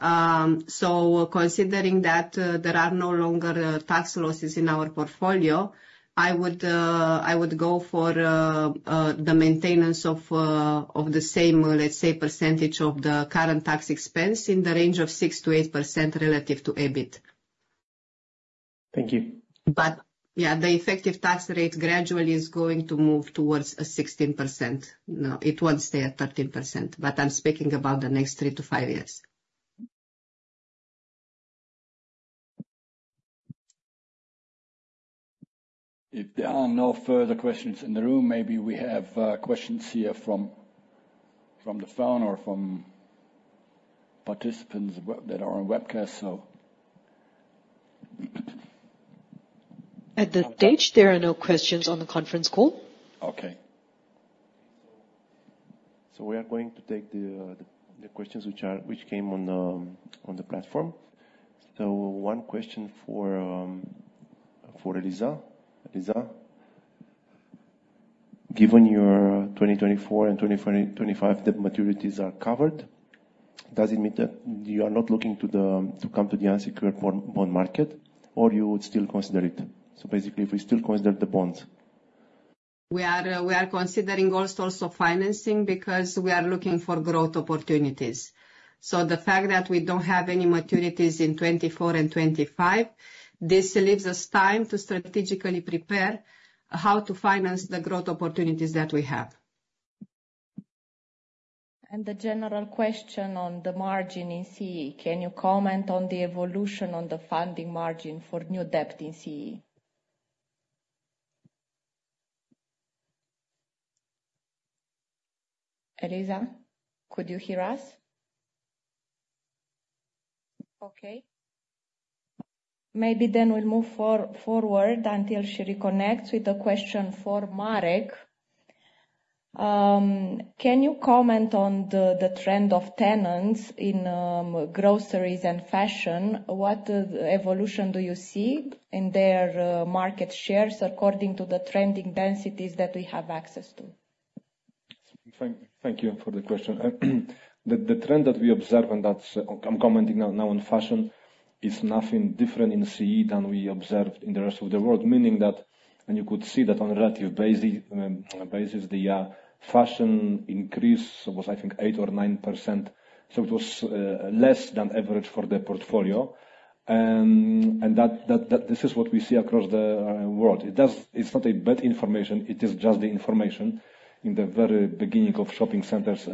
So considering that there are no longer tax losses in our portfolio, I would go for the maintenance of the same, let's say, percentage of the current tax expense in the range of 6%-8% relative to EBIT. Thank you. But yeah, the effective tax rate gradually is going to move towards a 16%. It won't stay at 13%. But I'm speaking about the next three to five years. If there are no further questions in the room, maybe we have questions here from the phone or from participants that are on webcast, so. At the stage, there are no questions on the conference call. Okay. So we are going to take the questions which came on the platform. So one question for Eliza. Eliza, given your 2024 and 2025 debt maturities are covered, does it mean that you are not looking to come to the unsecured bond market, or you would still consider it? So basically, if we still consider the bonds. We are considering also financing because we are looking for growth opportunities. So the fact that we don't have any maturities in 2024 and 2025, this leaves us time to strategically prepare how to finance the growth opportunities that we have. The general question on the margin in CE, can you comment on the evolution on the funding margin for new debt in CE? Eliza, could you hear us? Okay. Maybe then we'll move forward until she reconnects with a question for Marek. Can you comment on the trend of tenants in groceries and fashion? What evolution do you see in their market shares according to the trending densities that we have access to? Thank you for the question. The trend that we observe and that I'm commenting now on fashion is nothing different in CE than we observed in the rest of the world, meaning that and you could see that on a relative basis, the fashion increase was, I think, 8% or 9%. So it was less than average for the portfolio. And this is what we see across the world. It's not bad information. It is just the information. In the very beginning of shopping centers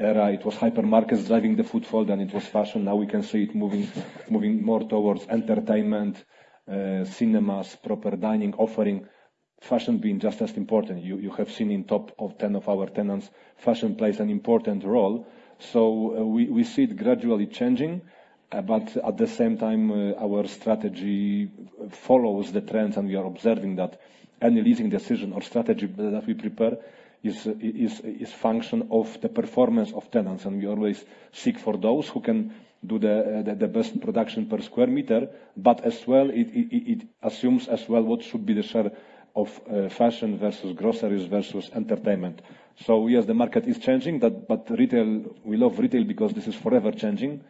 era, it was hypermarkets driving the footfall, then it was fashion. Now we can see it moving more towards entertainment, cinemas, proper dining offering, fashion being just as important. You have seen in top 10 of our tenants, fashion plays an important role. So we see it gradually changing. But at the same time, our strategy follows the trends. And we are observing that any leasing decision or strategy that we prepare is a function of the performance of tenants. And we always seek for those who can do the best production per square meter. But as well, it assumes as well what should be the share of fashion versus groceries versus entertainment. So yes, the market is changing. But we love retail because this is forever changing.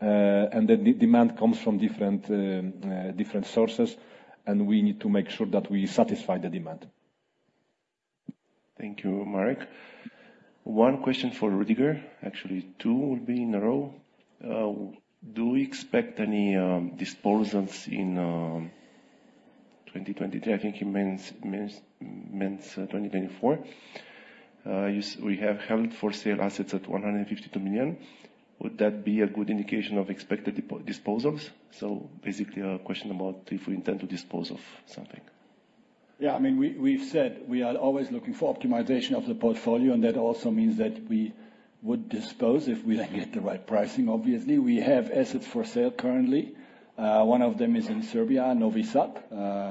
And the demand comes from different sources. And we need to make sure that we satisfy the demand. Thank you, Marek. One question for Rüdiger. Actually, two will be in a row. Do we expect any disposals in 2023? I think he means 2024. We have held for sale assets at 152 million. Would that be a good indication of expected disposals? So basically, a question about if we intend to dispose of something. Yeah. I mean, we've said we are always looking for optimization of the portfolio. And that also means that we would dispose if we then get the right pricing, obviously. We have assets for sale currently. One of them is in Serbia, Novi Sad.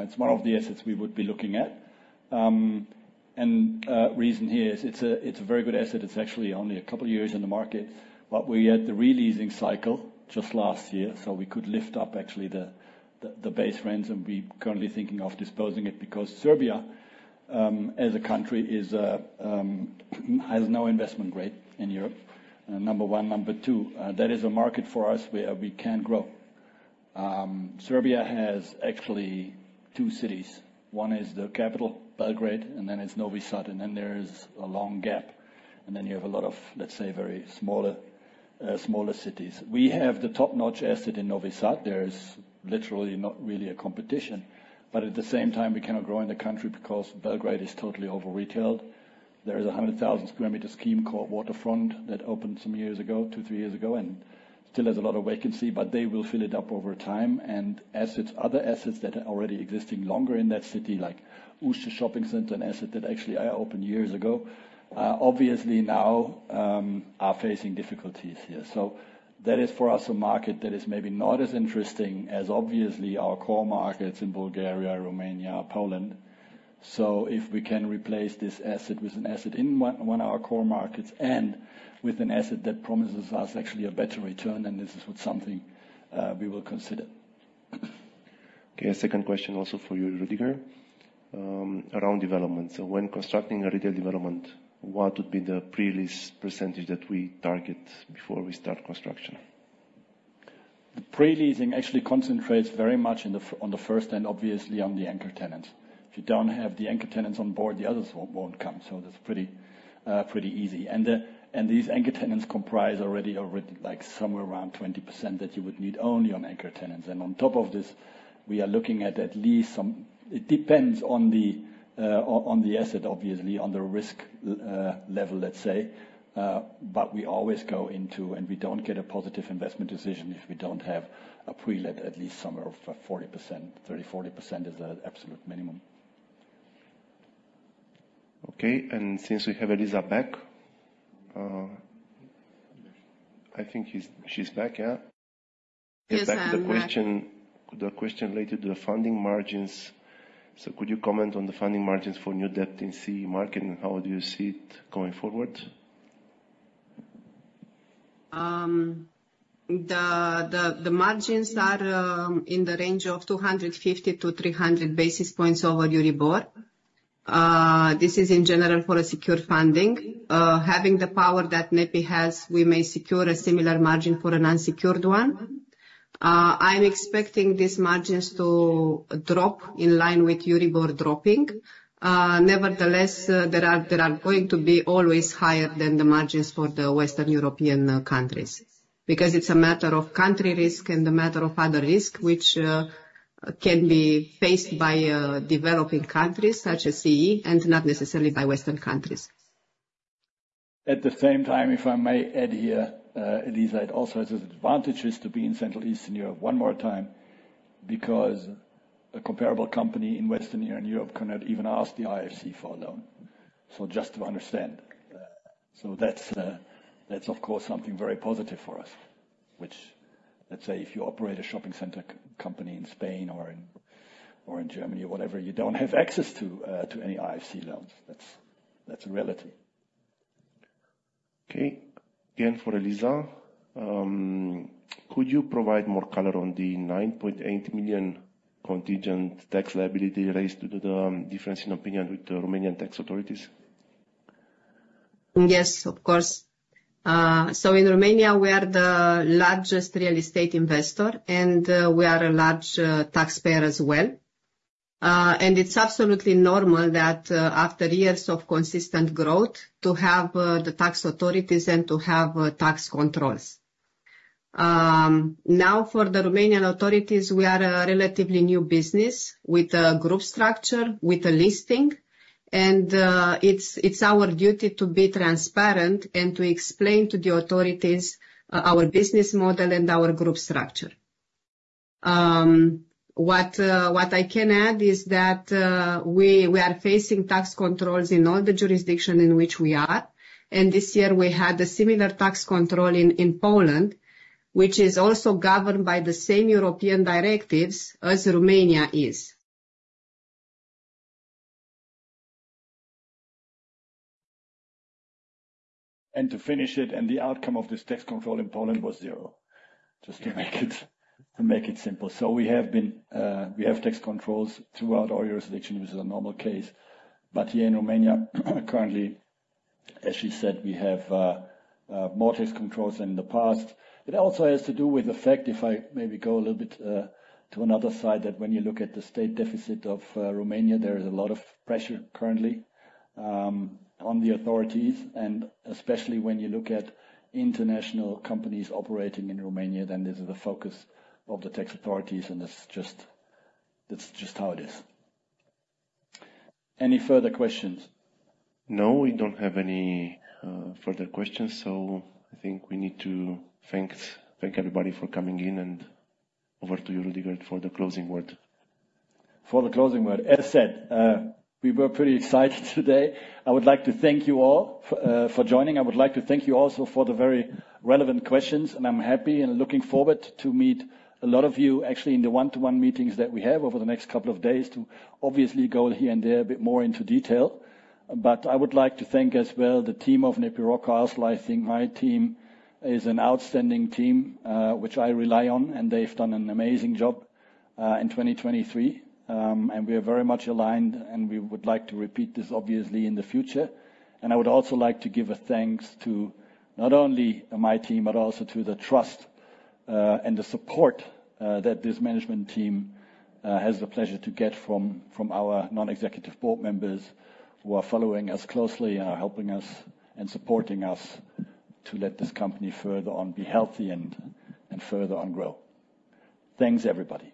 It's one of the assets we would be looking at. And reason here is it's a very good asset. It's actually only a couple of years in the market. But we had the re-leasing cycle just last year. So we could lift up actually the base rents. And we're currently thinking of disposing it because Serbia, as a country, has no investment rate in Europe, number one. Number two, that is a market for us where we can grow. Serbia has actually two cities. One is the capital, Belgrade. And then it's Novi Sad. And then there's a long gap. And then you have a lot of, let's say, very smaller cities. We have the top-notch asset in Novi Sad. There is literally not really a competition. But at the same time, we cannot grow in the country because Belgrade is totally over-retailed. There is a 100,000 sq m scheme called Waterfront that opened some years ago, two, three years ago. And still has a lot of vacancy. But they will fill it up over time. And other assets that are already existing longer in that city, like Ušće Shopping Center, an asset that actually opened years ago, obviously now are facing difficulties here. So that is for us a market that is maybe not as interesting as, obviously, our core markets in Bulgaria, Romania, Poland. So if we can replace this asset with an asset in one of our core markets and with an asset that promises us actually a better return, then this is something we will consider. Okay. Second question also for you, Rüdiger, around development. So when constructing a retail development, what would be the pre-lease percentage that we target before we start construction? The pre-leasing actually concentrates very much on the first and obviously on the anchor tenants. If you don't have the anchor tenants on board, the others won't come. So that's pretty easy. And these anchor tenants comprise already somewhere around 20% that you would need only on anchor tenants. And on top of this, we are looking at least some, it depends on the asset, obviously, on the risk level, let's say. But we always go into and we don't get a positive investment decision if we don't have a pre-let at least somewhere of 40%. 30%-40% is the absolute minimum. Okay. And since we have Eliza back, I think she's back. Yeah? He's back. The question related to the funding margins. So could you comment on the funding margins for new debt in CE market and how do you see it going forward? The margins are in the range of 250-300 basis points over Euribor. This is in general for a secure funding. Having the power that NEPI has, we may secure a similar margin for an unsecured one. I'm expecting these margins to drop in line with Euribor dropping. Nevertheless, they are going to be always higher than the margins for the Western European countries because it's a matter of country risk and a matter of other risk which can be faced by developing countries such as CE and not necessarily by Western countries. At the same time, if I may add here, Eliza, it also has its advantages to be in Central Eastern Europe one more time because a comparable company in Western Europe cannot even ask the IFC for a loan. So just to understand. So that's, of course, something very positive for us, which, let's say, if you operate a shopping center company in Spain or in Germany or whatever, you don't have access to any IFC loans. That's a reality. Okay. Again for Eliza, could you provide more color on the 9.8 million contingent tax liability raised due to the difference in opinion with the Romanian tax authorities? Yes, of course. So in Romania, we are the largest real estate investor. We are a large taxpayer as well. It's absolutely normal that after years of consistent growth, to have the tax authorities and to have tax controls. Now, for the Romanian authorities, we are a relatively new business with a group structure, with a listing. It's our duty to be transparent and to explain to the authorities our business model and our group structure. What I can add is that we are facing tax controls in all the jurisdiction in which we are. This year, we had a similar tax control in Poland, which is also governed by the same European directives as Romania is. To finish it, and the outcome of this tax control in Poland was zero, just to make it simple. We have tax controls throughout our jurisdiction, which is a normal case. Here in Romania, currently, as she said, we have more tax controls than in the past. It also has to do with the fact, if I maybe go a little bit to another side, that when you look at the state deficit of Romania, there is a lot of pressure currently on the authorities. Especially when you look at international companies operating in Romania, then this is the focus of the tax authorities. That's just how it is. Any further questions? No, we don't have any further questions. I think we need to thank everybody for coming in. Over to you, Rüdiger, for the closing word. For the closing word. As said, we were pretty excited today. I would like to thank you all for joining. I would like to thank you also for the very relevant questions. I'm happy and looking forward to meet a lot of you actually in the one-to-one meetings that we have over the next couple of days to obviously go here and there a bit more into detail. But I would like to thank as well the team of NEPI Rockcastle. I think my team is an outstanding team, which I rely on. They've done an amazing job in 2023. We are very much aligned. We would like to repeat this, obviously, in the future. I would also like to give a thanks to not only my team, but also to the trust and the support that this management team has the pleasure to get from our non-executive board members who are following us closely and are helping us and supporting us to let this company further on be healthy and further on grow. Thanks, everybody.